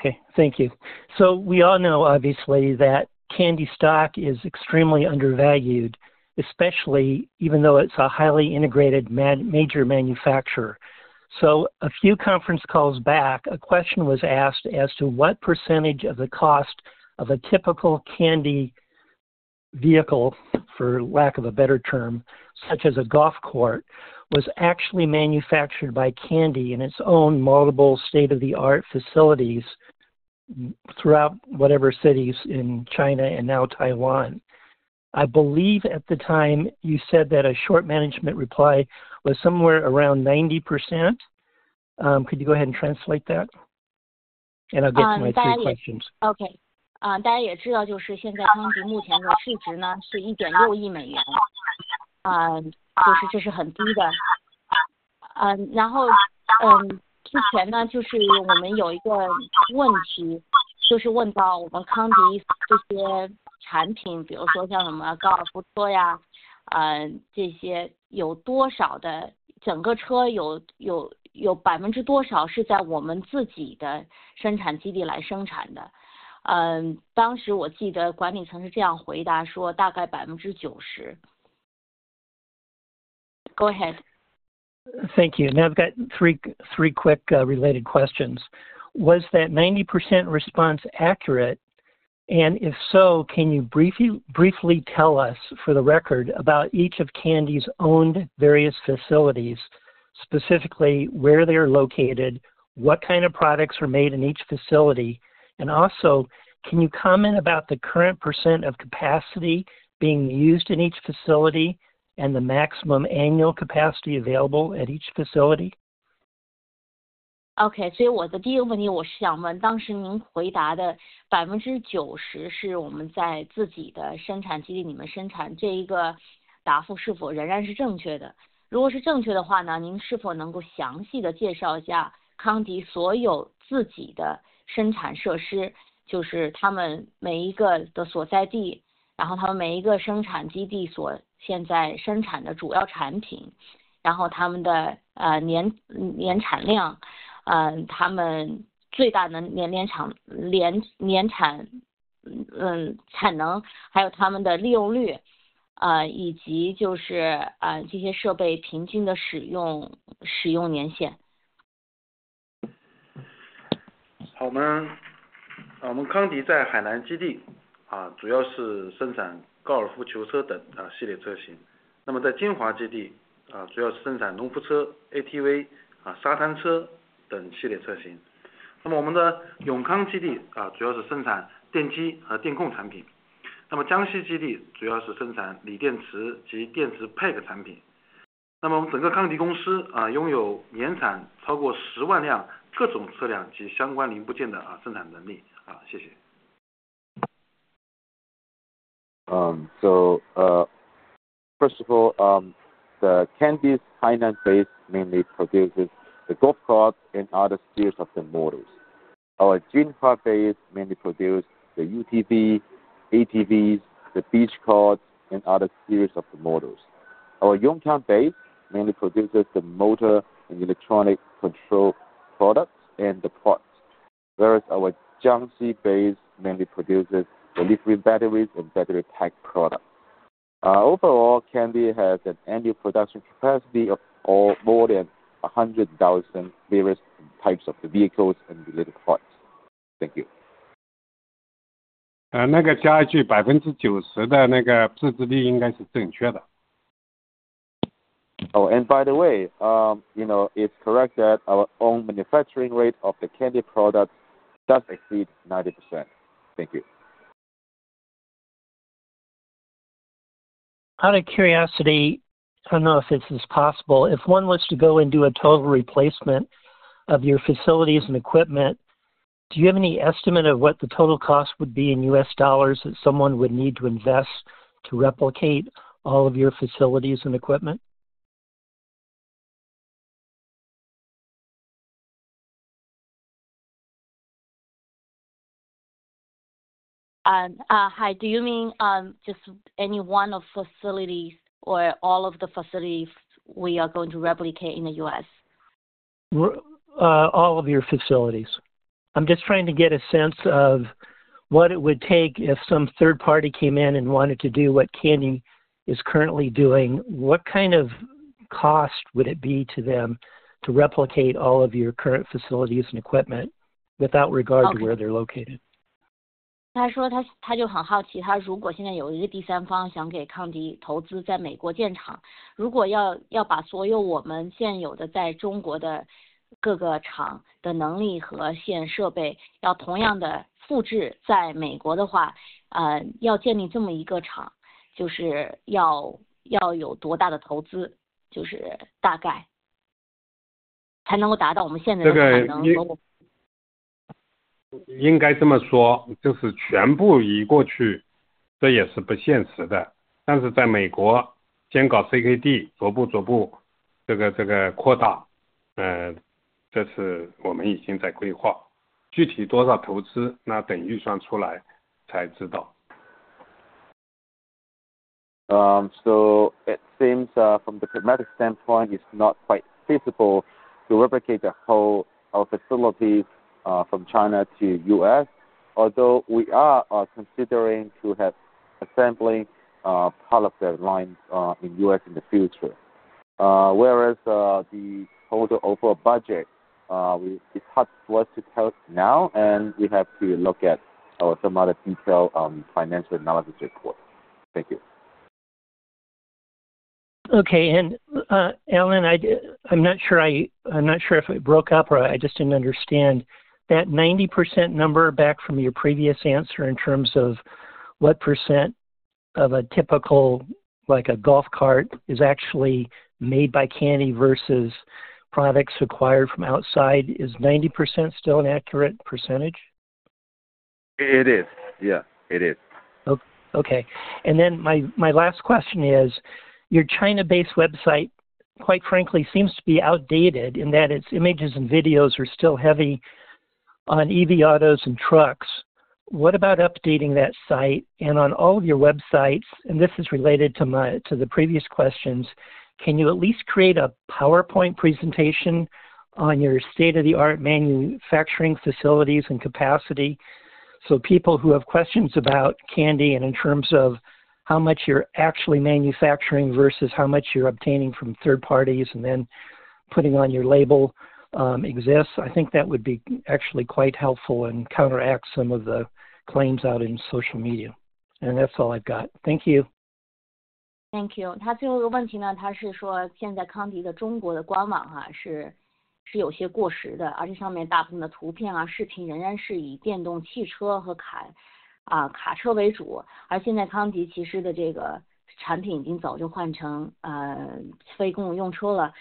please. you. So we all know obviously that Kandi stock is extremely undervalued, especially even though it's a highly integrated, major manufacturer. So a few conference calls back, a question was asked as to what percentage of the cost of a typical Kandi vehicle, for lack of a better term, such as a golf cart, was actually manufactured by Kandi in its own multiple state-of-the-art facilities throughout whatever cities in China and now Taiwan. I believe at the time you said that a short management reply was somewhere around 90%. Could you go ahead and translate that? And I'll get to my three questions. OK，大家知道，就是现在康迪目前的市场值呢，是$160 million，就是，这是很低的。然后，之前呢，就是我们有一个问题，就是问到我们康迪这些产品，比如说像什么高尔夫车呀，这些有多少，整个车有百分之多少是在我们自己的生产基地来生产的。当时我记得管理层是这样回答，说大概90%。Go ahead. Thank you. Now, I've got three quick, related questions. Was that 90% response accurate? And if so, can you briefly tell us, for the record, about each of Kandi's owned various facilities, specifically where they are located, what kind of products are made in each facility? And also, can you comment about the current % of capacity being used in each facility and the maximum annual capacity available at each facility? OK，所以我的第一个问题是想问，当时您回答的百分之九十是我们自己在自己的生产基地里面生产，这个回答是否仍然是正确的？如果是正确的话呢，您是否能够详细地介绍一下康迪所有的自己的生产设施，就是他们每一个的所在地。... First of all, the Kandi's China base mainly produces the golf cart and other series of the models. Our Jinhua base mainly produce the UTV, ATVs, the beach cars, and other series of the models. Our Yongkang base mainly produces the motor and electronic control products and the parts, whereas our Jiangxi base mainly produces the lithium batteries and battery pack products. Overall, Kandi has an annual production capacity of more than 100,000 various types of vehicles and related parts. Thank you. 那个加一句，90%的那个自制率应该是正确的。Oh, and by the way, you know, it's correct that our own manufacturing rate of the Kandi product does exceed 90%. Thank you. Out of curiosity, I don't know if this is possible. If one was to go and do a total replacement of your facilities and equipment, do you have any estimate of what the total cost would be in U.S. dollars that someone would need to invest to replicate all of your facilities and equipment? Do you mean just any one of facilities or all of the facilities we are going to replicate in the U.S.? All of your facilities. I'm just trying to get a sense of what it would take if some third party came in and wanted to do what Kandi is currently doing, what kind of cost would it be to them to replicate all of your current facilities and equipment, without regard to where they're located? So, it seems from the pragmatic standpoint, it's not quite feasible to replicate the whole our facilities from China to U.S., although we are considering to have assembling part of their lines in U.S. in the future. Whereas the total overall budget, we it's hard for us to tell now, and we have to look at some other detail on financial analysis report. Thank you. OK, and Alan, I'm not sure if it broke up or I just didn't understand. That 90% number back from your previous answer in terms of what percent of a typical like a golf cart is actually made by Kandi versus products acquired from outside, is 90% still an accurate percentage? is. Yeah, it is. OK. And then my last question is, your China-based website, quite frankly, seems to be outdated in that its images and videos are still heavy on EV autos and trucks. What about updating that site and on all of your websites, and this is related to my previous questions, can you at least create a PowerPoint presentation on your state-of-the-art manufacturing facilities and capacity, so people who have questions about Kandi and in terms of how much you're actually manufacturing versus how much you're obtaining from third parties and then putting on your label exists? I think that would be actually quite helpful and counteract some of the claims out in social media. And that's all I've got. Thank you. Thank you. 他最后一个问题呢，他是说现在的康迪中国的官网啊，是，是有些过时的，而且上面大部分的图片啊，视频仍然是以电动汽车和卡，啊，卡车为主，而现在康迪其实的这个产品已经早就像换成，非公路用车了。...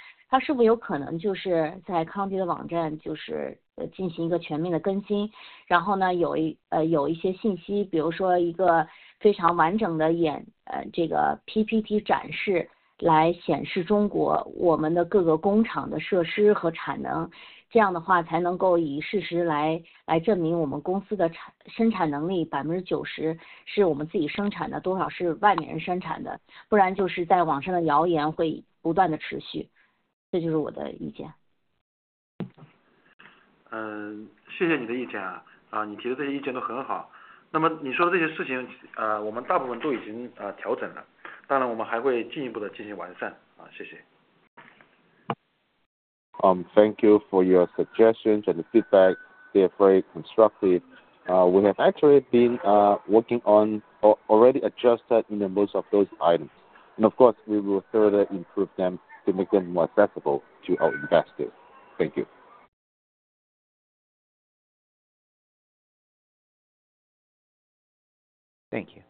Thank you for your suggestions and the feedback. They are very constructive. We have actually been working on already adjusted in the most of those items, and of course, we will further improve them to make them more accessible to our investors. Thank you. Thank you.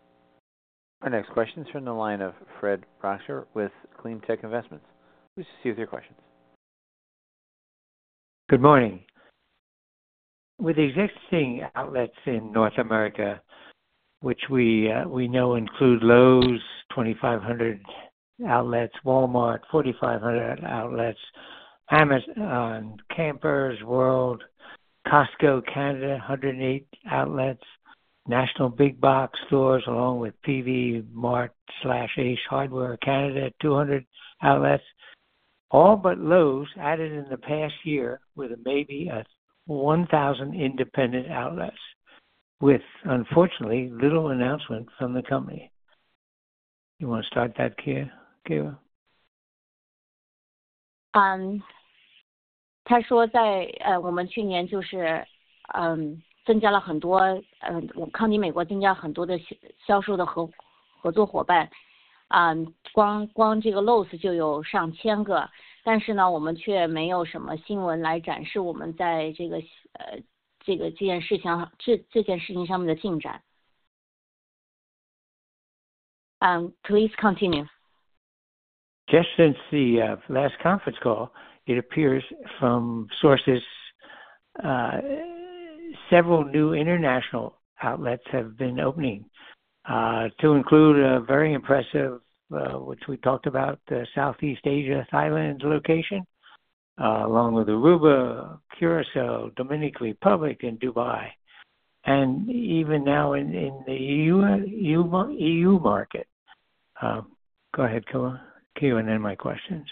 Our next questions from the line of Fred Roscher with Cleantech Investments. Please proceed with your questions. Good morning. With existing outlets in North America, which we, we know include Lowe's 2,500 outlets, Walmart 4,500 outlets, Amazon, Camping World, Costco, Canada 108 outlets, national big box stores, along with Peavey Mart / Ace Hardware Canada at 200 outlets. All but Lowe's added in the past year with maybe a 1,000 independent outlets, with unfortunately little announcement from the company. You want to start that Kewa? He said that last year we added a lot. Kandi America added a lot of sales partners. Just this Lowe's has over a thousand. But we didn't have any news to show our progress on this matter. Please continue. Just since the last conference call, it appears from sources, several new international outlets have been opening, to include a very impressive, which we talked about, the Southeast Asia, Thailand location, along with Aruba, Curacao, Dominican Republic and Dubai, and even now in the EU market. Go ahead, Kewa. Kewa, and then my questions.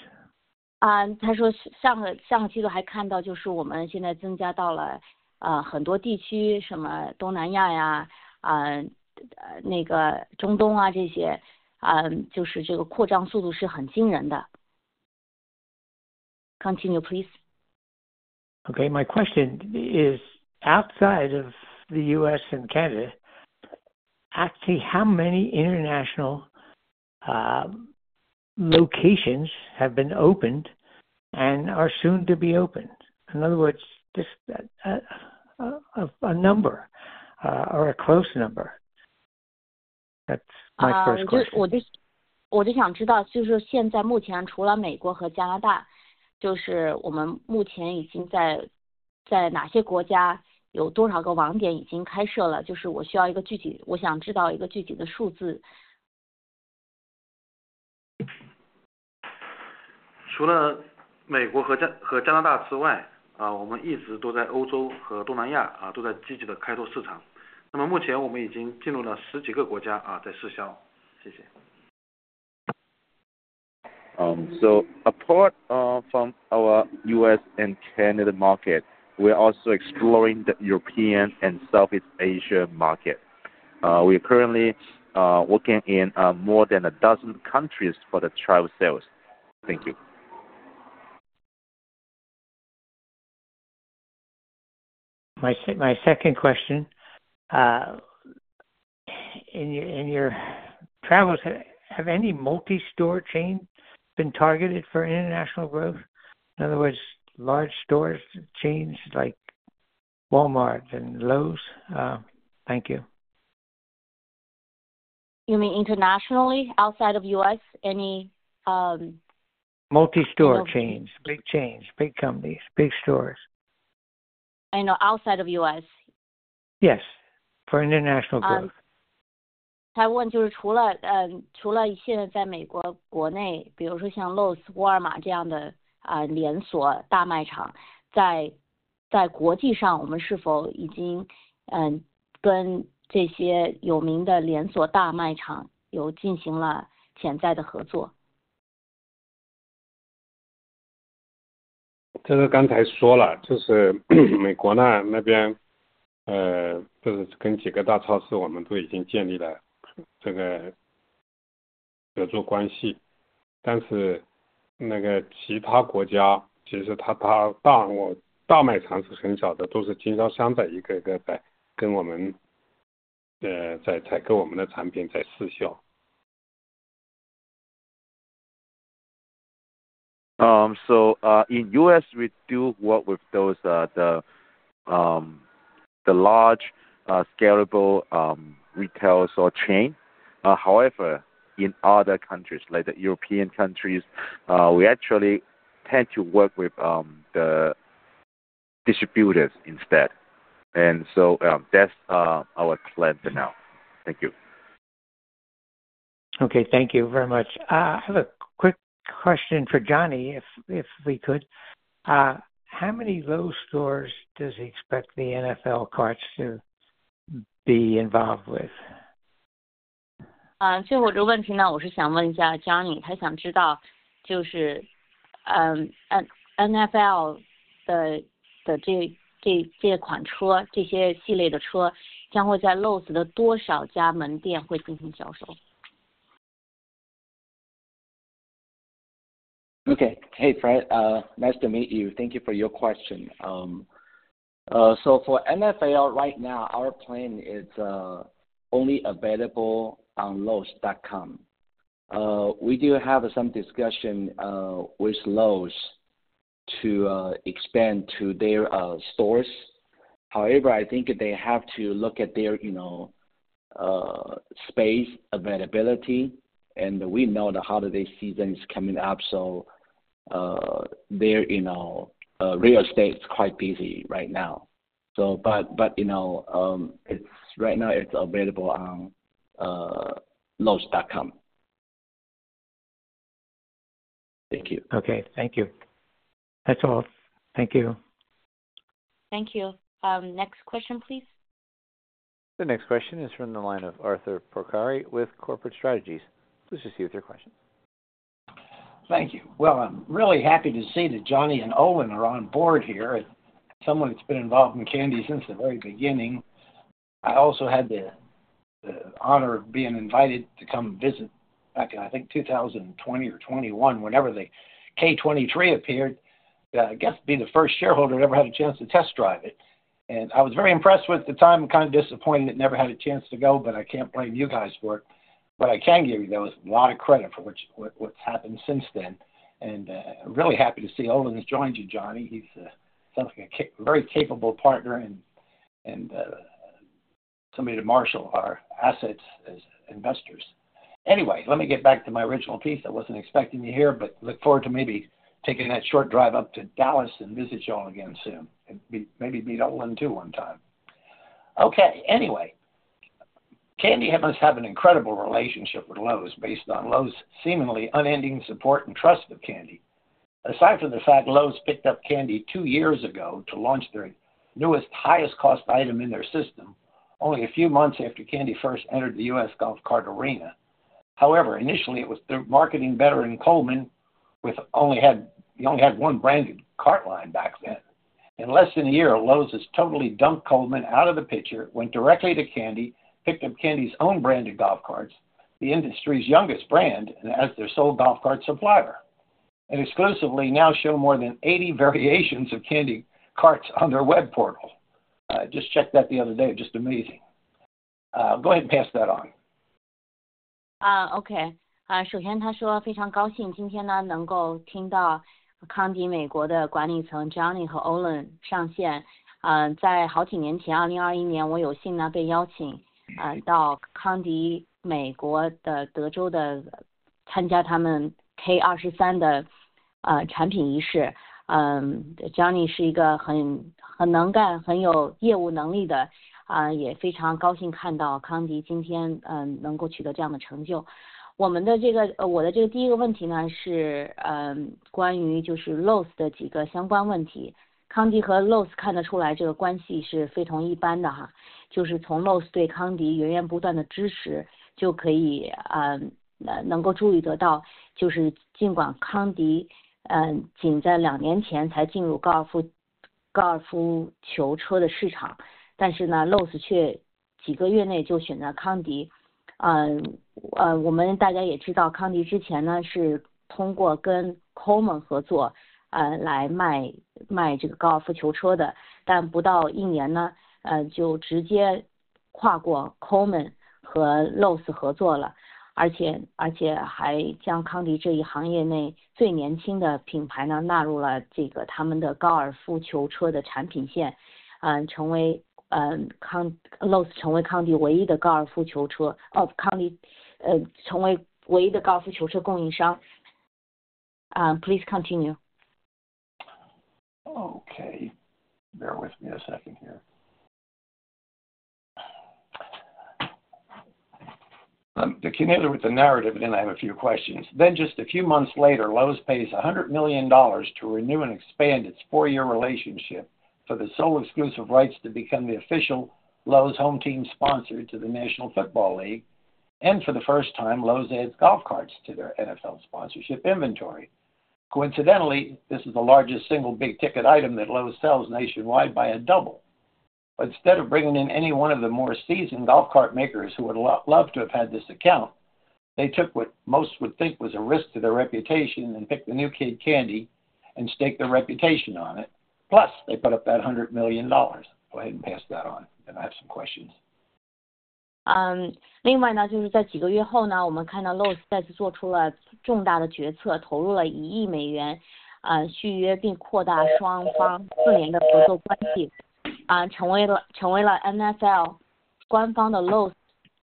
他说上个季度还看到，就是我们现在增加到了很多地区，什么东南亚，那个中东这些，就是这个扩张速度是很惊人的。Continue, please. Okay, my question is, outside of the U.S. and Canada, actually, how many international locations have been opened and are soon to be opened? In other words, a number or a close number. That's my first question. 我就想知道，就是现在目前除了美国和加拿大，我们目前已经在哪些国家，有多少个网点已经开设了，就是我需要一个具体的数字。除了美国和加拿大之外，啊，我们一直都在欧洲和东南亚，啊，都在积极地开拓市场，那么目前我们已经进入了十几个国家，啊，在试销。谢谢。So apart from our U.S. and Canada market, we are also exploring the European and Southeast Asia market. We are currently working in more than a dozen countries for the trial sales. Thank you. My second question, in your travels, have any multi-store chain been targeted for international growth? In other words, large store chains like Walmart and Lowe's. Thank you. You mean internationally, outside of U.S.? Any... Multi-store chains, big chains, big companies, big stores. I know outside of U.S.? Yes, for international growth. 他问就是除了现在在美国国内，比如说像Lowe's、沃尔玛这样的连锁大卖场，在国际上我们是否已经跟这些有名的连锁大卖场进行了潜在的合作。In U.S., we do work with those,... the large, scalable, retail store chain. However, in other countries, like the European countries, we actually tend to work with the distributors instead. And so, that's our plan for now. Thank you. Okay, thank you very much. I have a quick question for Johnny, if we could. How many Lowe's stores does he expect the NFL carts to be involved with? Okay. Hey, Fred. Nice to meet you. Thank you for your question. So for NFL, right now, our plan is only available on Lowes.com. We do have some discussion with Lowe's to expand to their stores. However, I think they have to look at their, you know, space availability, and we know the holiday season is coming up, so they're, you know, real estate is quite busy right now. So, but, but, you know, it's right now, it's available on Lowes.com. Thank you. Okay, thank you. That's all. Thank you. Thank you. Next question, please. The next question is from the line of Arthur Porcari with Corporate Strategies. Please proceed with your question. Thank you. Well, I'm really happy to see that Johnny and Owen are on board here. As someone that's been involved in Kandi since the very beginning, I also had the honor of being invited to come visit back in, I think, two thousand and twenty or twenty-one, whenever the K23 appeared. I guess, being the first shareholder to ever have a chance to test drive it. And I was very impressed at the time, kind of disappointed it never had a chance to go, but I can't blame you guys for it. What I can give you, though, is a lot of credit for what's happened since then, and really happy to see Owen has joined you, Johnny. He sounds like a very capable partner and somebody to marshal our assets as investors. Anyway, let me get back to my original piece. I wasn't expecting to hear, but look forward to maybe taking that short drive up to Dallas and visit you all again soon and may meet Olin too, one time. Okay, anyway, Kandi must have an incredible relationship with Lowe's, based on Lowe's seemingly unending support and trust of Kandi. Aside from the fact Lowe's picked up Kandi two years ago to launch their newest, highest cost item in their system, only a few months after Kandi first entered the U.S. golf cart arena. However, initially it was their marketing veteran, Coleman, who only had one branded cart line back then. In less than a year, Lowe's has totally dumped Coleman out of the picture, went directly to Kandi, picked up Kandi's own branded golf carts, the industry's youngest brand, and as their sole golf cart supplier. And exclusively now show more than 80 variations of Kandi carts on their web portal. Just checked that the other day, just amazing. Go ahead and pass that on. Okay. Okay. Bear with me a second here. To continue with the narrative, and then I have a few questions. Then, just a few months later, Lowe's pays $100 million to renew and expand its four-year relationship for the sole exclusive rights to become the official Lowe's Home Team sponsor to the National Football League, and for the first time, Lowe's adds golf carts to their NFL sponsorship inventory. Coincidentally, this is the largest single big-ticket item that Lowe's sells nationwide by a double. But instead of bringing in any one of the more seasoned golf cart makers who would love to have had this account, they took what most would think was a risk to their reputation and picked the new kid, Kandi, and stake their reputation on it. Plus, they put up that $100 million. Go ahead and pass that on, then I have some questions. ...Additionally, a few months later, we saw Lowe's make a major decision once again, investing $100 million, renewing and expanding the four-year partnership between both parties, becoming the official NFL Lowe's,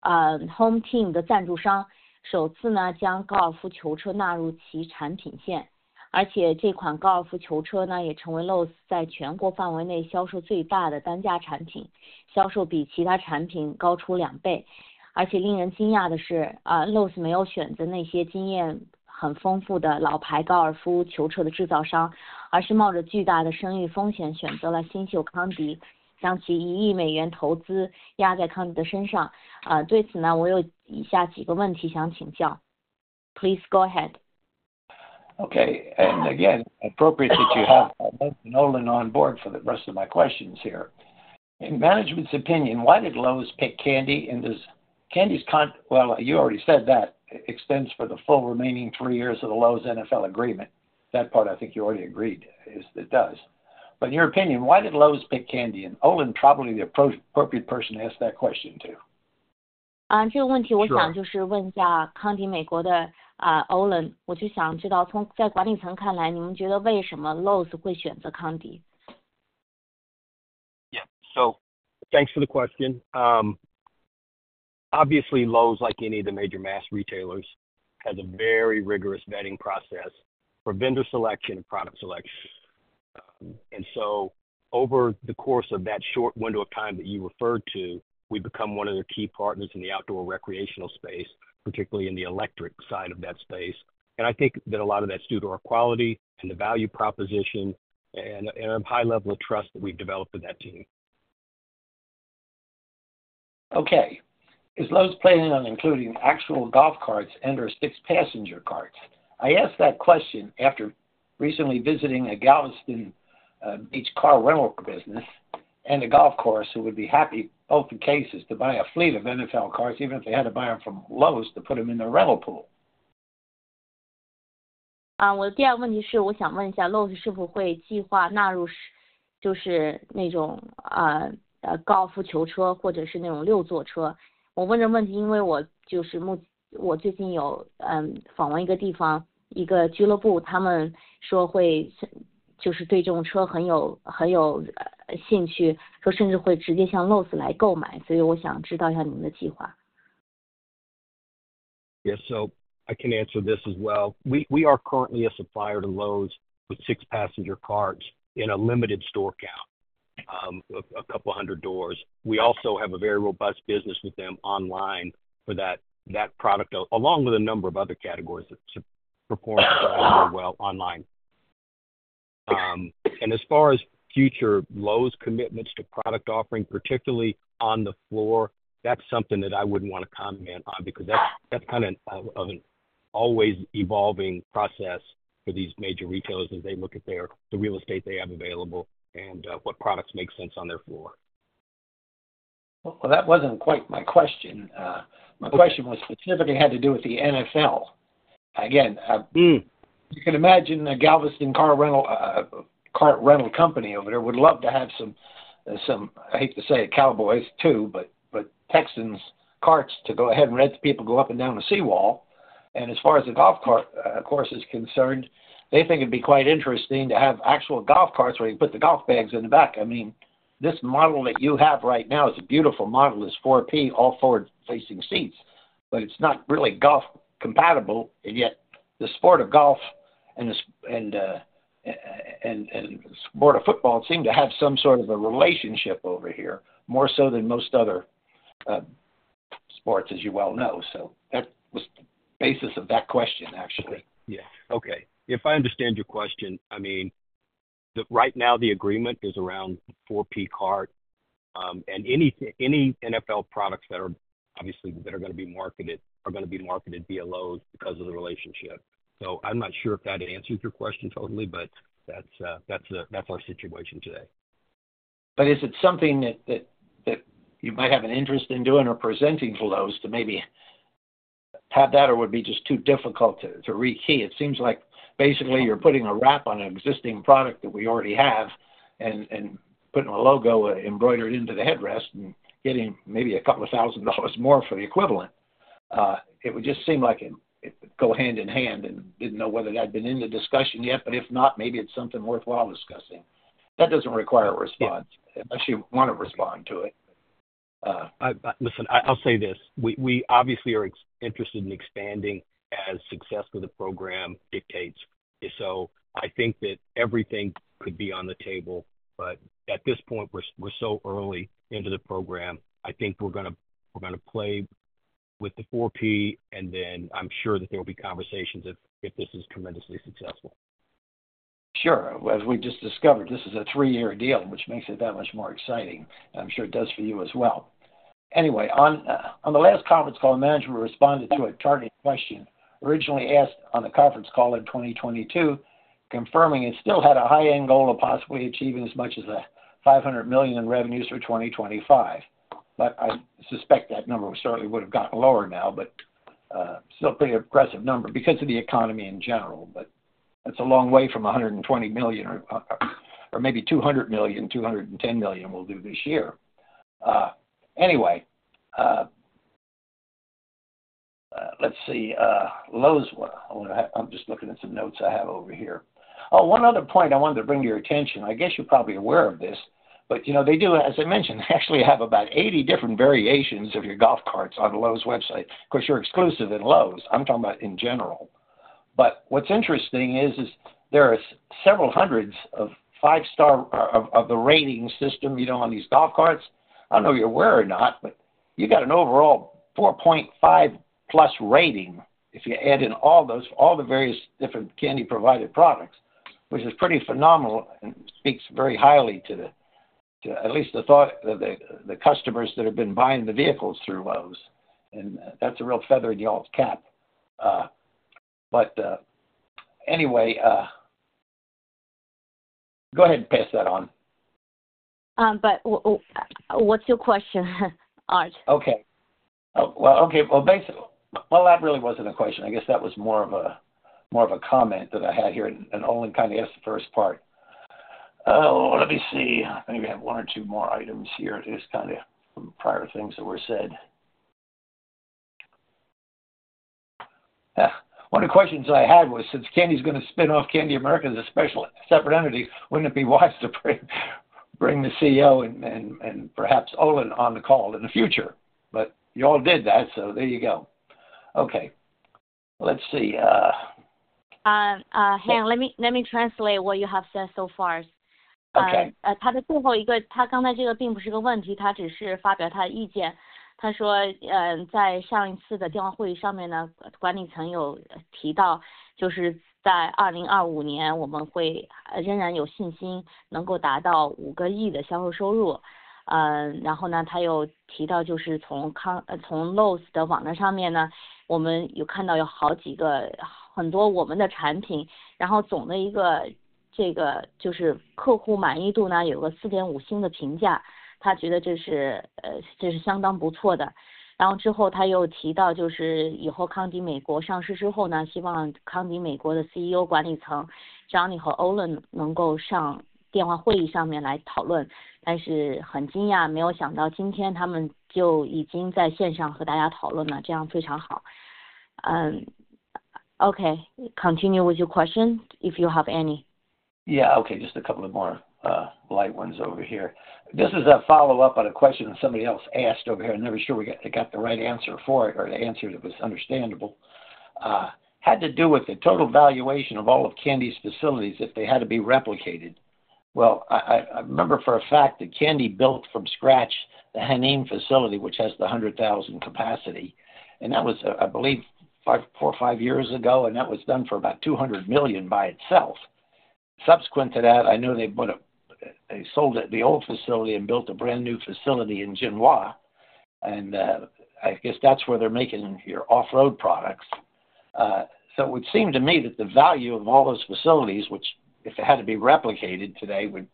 the Home Team sponsor, for the first time including golf carts in its product line, and moreover, this golf cart also became Lowe's highest unit price product sold nationwide, with sales two times higher than other products. Moreover, what is surprising is that Lowe's did not choose those manufacturers of veteran golf carts with very rich experience, but instead risked huge reputational risk to choose the rookie Kandi, placing its $100 million investment on Kandi. Regarding this, I have the following several questions I want to ask. Please go ahead. And again, appropriate that you have Olin on board for the rest of my questions here. In management's opinion, why did Lowe's pick Kandi? And does Kandi's... Well, you already said that extends for the full remaining three years of the Lowe's NFL agreement. That part I think you already agreed, is it does. But in your opinion, why did Lowe's pick Kandi? And Olin probably the appropriate person to ask that question to. 啊，这个问题 - Sure。I want to ask about Kandi America, Olin. I just want to know, from the management's perspective, why do you think Lowe's chose Kandi? Yeah. So thanks for the question. Obviously, Lowe's, like any of the major mass retailers, has a very rigorous vetting process for vendor selection and product selection. And so over the course of that short window of time that you referred to, we've become one of their key partners in the outdoor recreational space, particularly in the electric side of that space. And I think that a lot of that's due to our quality and the value proposition and a high level of trust that we've developed with that team. Okay. Is Lowe's planning on including actual golf carts and/or six passenger carts? I asked that question after recently visiting a Galveston e-car rental business and a golf course, who would be happy, both cases, to buy a fleet of NFL cars, even if they had to buy them from Lowe's to put them in their rental pool. 我的第二个问题是，我想问一下 Lowe's 是否会计划纳入那种高尔夫球车，或者是那种六座车。我问这个问题，是因为我最近访问了一个地方，一个俱乐部，他们说会对这种车很有兴趣，说甚至会直接向 Lowe's 来购买，所以我想知道一下你们的计划。Yes, so I can answer this as well. We are currently a supplier to Lowe's with six passenger carts in a limited store count, a couple hundred doors. We also have a very robust business with them online for that product, along with a number of other categories that perform well online. And as far as future Lowe's commitments to product offering, particularly on the floor, that's something that I wouldn't want to comment on, because that's kind of an always evolving process for these major retailers as they look at their, the real estate they have available and what products make sense on their floor. Well, that wasn't quite my question. My question was specifically had to do with the NFL. Again, Mm. You can imagine a Galveston car rental company over there would love to have some, I hate to say it, Cowboys too, but Texans carts to go ahead and rent to people, go up and down the seawall. And as far as the golf cart course is concerned, they think it'd be quite interesting to have actual golf carts where you put the golf bags in the back. I mean, this model that you have right now is a beautiful model, is 4P, all forward-facing seats, but it's not really golf compatible. And yet the sport of golf and the sport of football seem to have some sort of a relationship over here, more so than most other sports, as you well know. So that was the basis of that question, actually. Yeah. Okay. If I understand your question, I mean, right now the agreement is around 4P cart, and any NFL products that are obviously gonna be marketed are gonna be marketed via Lowe's because of the relationship. So I'm not sure if that answers your question totally, but that's our situation today. But is it something that you might have an interest in doing or presenting for Lowe's to maybe have that, or would be just too difficult to re-skin? It seems like basically you're putting a wrap on an existing product that we already have and putting a logo embroidered into the headrest and getting maybe a couple of thousand dollars more for the equivalent. It would just seem like it go hand in hand and didn't know whether that had been in the discussion yet. But if not, maybe it's something worthwhile discussing. That doesn't require a response, unless you want to respond to it. Listen, I'll say this, we obviously are interested in expanding as success of the program dictates. So I think that everything could be on the table, but at this point, we're so early into the program, I think we're gonna play with the 4P, and then I'm sure that there will be conversations if this is tremendously successful. Sure. As we just discovered, this is a three-year deal, which makes it that much more exciting, and I'm sure it does for you as well. Anyway, on the last conference call, management responded to a target question, originally asked on the conference call in 2022, confirming it still had a high-end goal of possibly achieving as much as $500 million in revenues for 2025. But I suspect that number certainly would have gotten lower now, but still pretty aggressive number because of the economy in general. That's a long way from $120 million, or maybe $200 million, $210 million we'll do this year. Anyway, let's see, Lowe's, what? I am just looking at some notes I have over here. Oh, one other point I wanted to bring to your attention. I guess you're probably aware of this, but, you know, they do, as I mentioned, actually have about 80 different variations of your golf carts on Lowe's website. Of course, you're exclusive in Lowe's. I'm talking about in general. But what's interesting is there are several hundred five-star ratings in the rating system, you know, on these golf carts. I don't know if you're aware or not, but you got an overall 4.5 plus rating if you add in all those, all the various different Kandi-provided products. Which is pretty phenomenal and speaks very highly to at least the thoughts of the customers that have been buying the vehicles through Lowe's, and that's a real feather in y'all's cap. But, anyway, go ahead and pass that on. But what's your question, Art? Well, that really wasn't a question. I guess that was more of a comment that I had here, and Olin kind of asked the first part. Let me see. I think we have one or two more items here, just kind of from prior things that were said. One of the questions I had was, since Kandi's gonna spin off Kandi America as a special separate entity, wouldn't it be wise to bring the CEO and perhaps Olin on the call in the future? But you all did that, so there you go. Okay. Let's see. Hang, let me translate what you have said so far. Okay. [speaking in Mandarin] Okay. Continue with your question, if you have any. Yeah, okay, just a couple of more light ones over here. This is a follow-up on a question that somebody else asked over here. I'm never sure we got the right answer for it or the answer that was understandable. Had to do with the total valuation of all of Kandi's facilities if they had to be replicated. I remember for a fact that Kandi built from scratch the Hainan facility, which has the 100,000 capacity, and that was, I believe five, four or five years ago, and that was done for about $200 million by itself. Subsequent to that, I know they bought a, they sold it, the old facility, and built a brand-new facility in Jinhua. I guess that's where they're making your off-road products. So it would seem to me that the value of all those facilities, which, if they had to be replicated today, would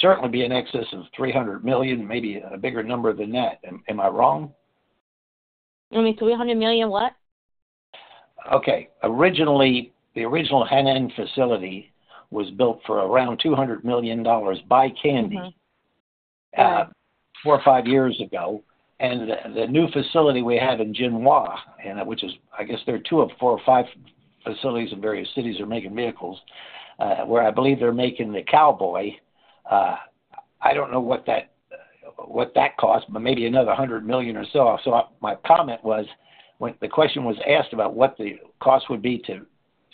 certainly be in excess of three hundred million, maybe a bigger number than that. Am I wrong? You mean three hundred million what? Okay. Originally, the original Hainan facility was built for around $200 million by Kandi- Mm-hmm. Four or five years ago, and the new facility we have in Jinhua, and which is, I guess there are two or four or five facilities in various cities are making vehicles, where I believe they're making the Cowboy. I don't know what that cost, but maybe another hundred million or so. So my comment was, when the question was asked about what the cost would be to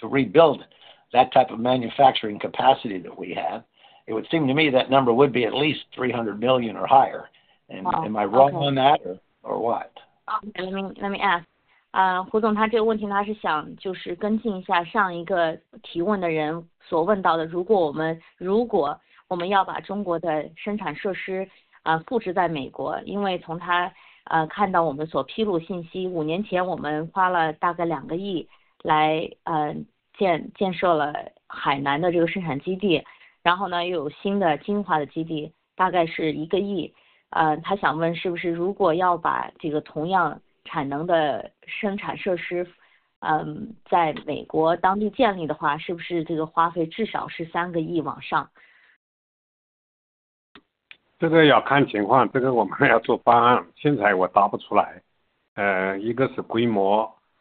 rebuild that type of manufacturing capacity that we have, it would seem to me that number would be at least three hundred million or higher. And Oh. Am I wrong on that or what? Let me, let me ask.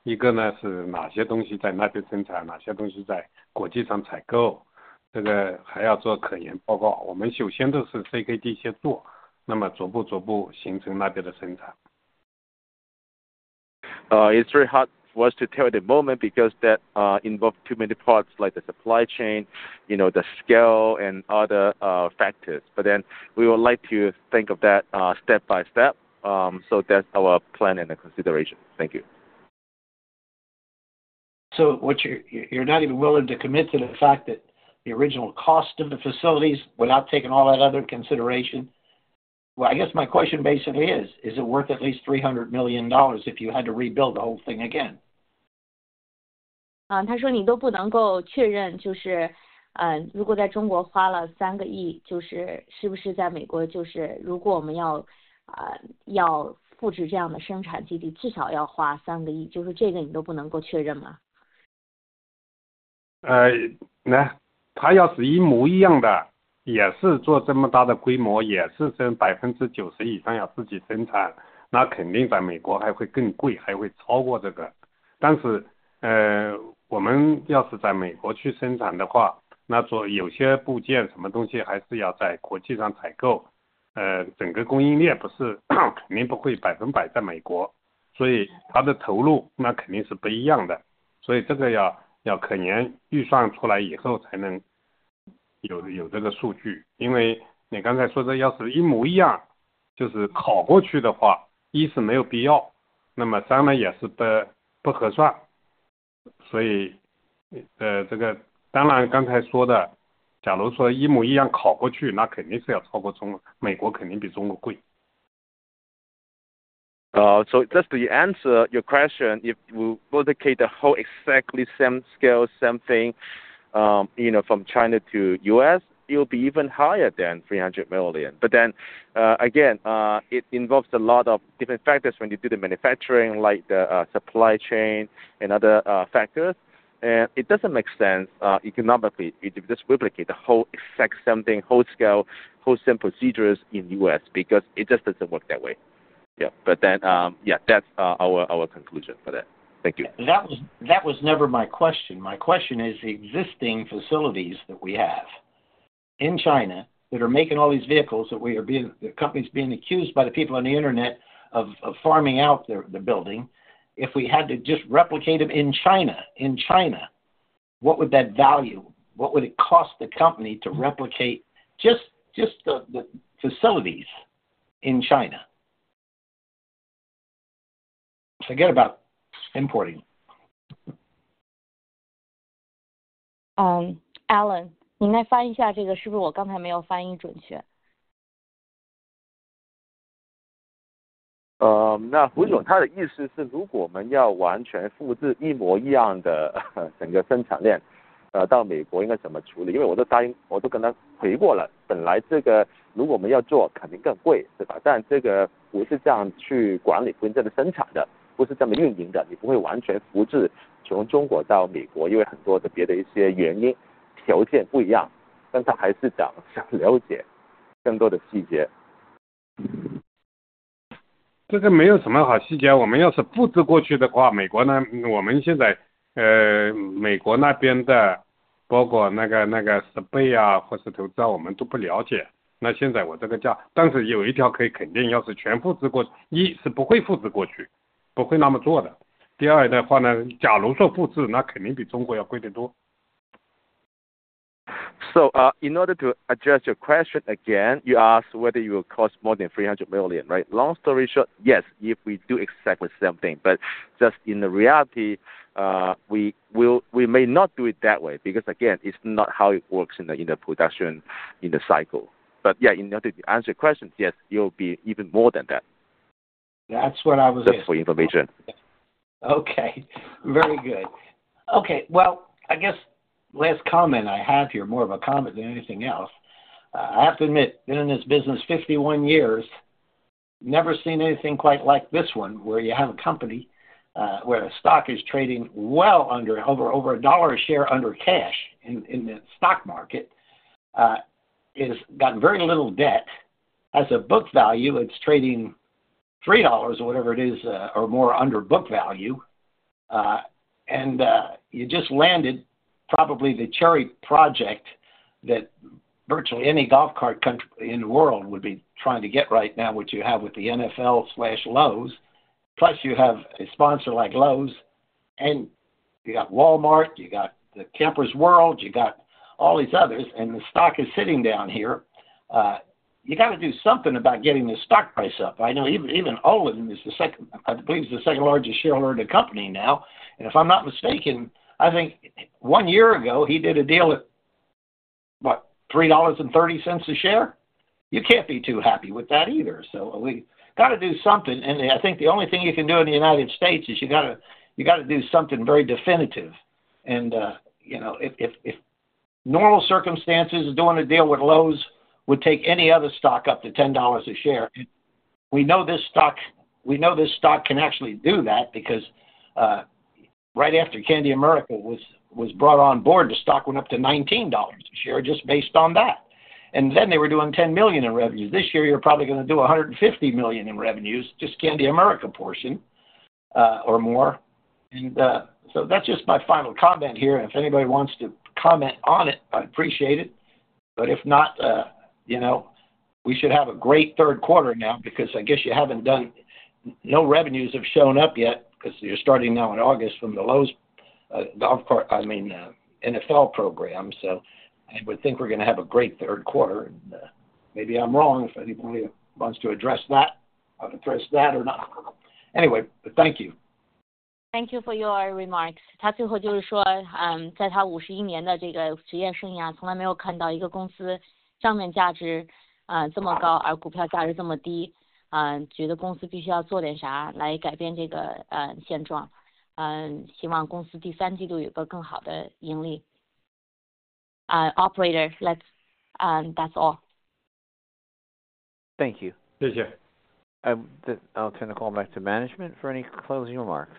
It's very hard for us to tell at the moment because that involves too many parts, like the supply chain, you know, the scale and other factors, but then we would like to think of that step by step, so that's our plan and consideration. Thank you. What you're not even willing to commit to the fact that the original cost of the facilities, without taking all that other consideration... I guess my question basically is: Is it worth at least $300 million if you had to rebuild the whole thing again? [speaking in Mandarin] So just to answer your question, if we replicate the whole exactly same scale, same thing, you know, from China to U.S., it will be even higher than three hundred million. But then, again, it involves a lot of different factors when you do the manufacturing, like the supply chain and other factors, and it doesn't make sense. Economically, it just replicate the whole effect, something whole scale, whole same procedures in U.S. because it just doesn't work that way. Yeah. But then, yeah, that's our conclusion for that. Thank you. That was never my question. My question is the existing facilities that we have in China that are making all these vehicles, that we are being the company is being accused by the people on the Internet of farming out the building. If we had to just replicate them in China, what would that value? What would it cost the company to replicate just the facilities in China? Forget about importing. Alan, 你来翻译一下，这个是不是我刚才没有翻译准确。那，胡总的意思是，如果我们要完全复制一模一样的整个生产链，到美国应该怎么处理？因为我都答应，我都跟他回过了。本来这个如果我们要做，肯定更贵，是吧？但这个不是这样去管理，不是这样去生产的，不是这么运营的，你不会完全复制从中国到美国，因为很多特别的一些原因，条件不一样，但他还是想了解更多的细节。So, in order to address your question again, you asked whether you will cost more than 300 million, right? Long story short, yes, if we do exactly same thing. But just in the reality, we may not do it that way, because, again, it's not how it works in the production cycle. But yeah, in order to answer your question, yes, you'll be even more than that. That's what I was- Just for your information. Okay, very good. Okay, well, I guess last comment I have here, more of a comment than anything else. I have to admit, been in this business fifty-one years, never seen anything quite like this one, where you have a company, where a stock is trading well under over, over a dollar a share, under cash in, in the stock market, it's got very little debt. As a book value, it's trading $3 or whatever it is, or more under book value. And you just landed probably the cherry project that virtually any golf cart company in the world would be trying to get right now, which you have with the NFL/Lowe's. Plus you have a sponsor like Lowe's, and you got Walmart, you got the Camping World, you got all these others, and the stock is sitting down here. You got to do something about getting the stock price up. I know even Olin is the second, I believe he's the second-largest shareholder in the company now, and if I'm not mistaken, I think one year ago he did a deal with, what? $3.30 a share? You can't be too happy with that either. So we got to do something, and I think the only thing you can do in the United States is you gotta, you got to do something very definitive. And, you know, if normal circumstances, doing a deal with Lowe's would take any other stock up to $10 a share. We know this stock. We know this stock can actually do that, because right after Kandi America was brought on board, the stock went up to $19 a share just based on that. And then they were doing $10 million in revenue. This year, you're probably gonna do $150 million in revenues, just Kandi America portion, or more. And so that's just my final comment here. If anybody wants to comment on it, I'd appreciate it. But if not, you know, we should have a great third quarter now, because I guess you haven't done no revenues have shown up yet, because you're starting now in August from the Lowe's golf cart, I mean, NFL program. So I would think we're going to have a great third quarter, and maybe I'm wrong. If anybody wants to address that or not. Anyway, thank you. Thank you for your remarks. He finally said that in his 51-year professional career, he has never seen a company with book value so high, while stock value so low. He feels the company must do something to change this current situation. I hope the company has better earnings in the third quarter. Operator, let's, that's all. Thank you. Thank you. I'll turn the call back to management for any closing remarks.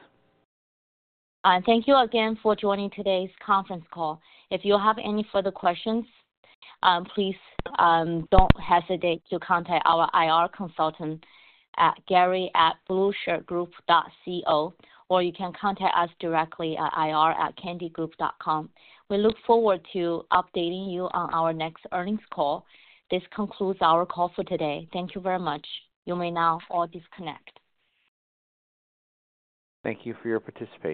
Thank you again for joining today's conference call. If you have any further questions, please don't hesitate to contact our IR consultant at gary@blueshirtgroup.com, or you can contact us directly at ir@kandigroup.com. We look forward to updating you on our next earnings call. This concludes our call for today. Thank you very much. You may now all disconnect. Thank you for your participation.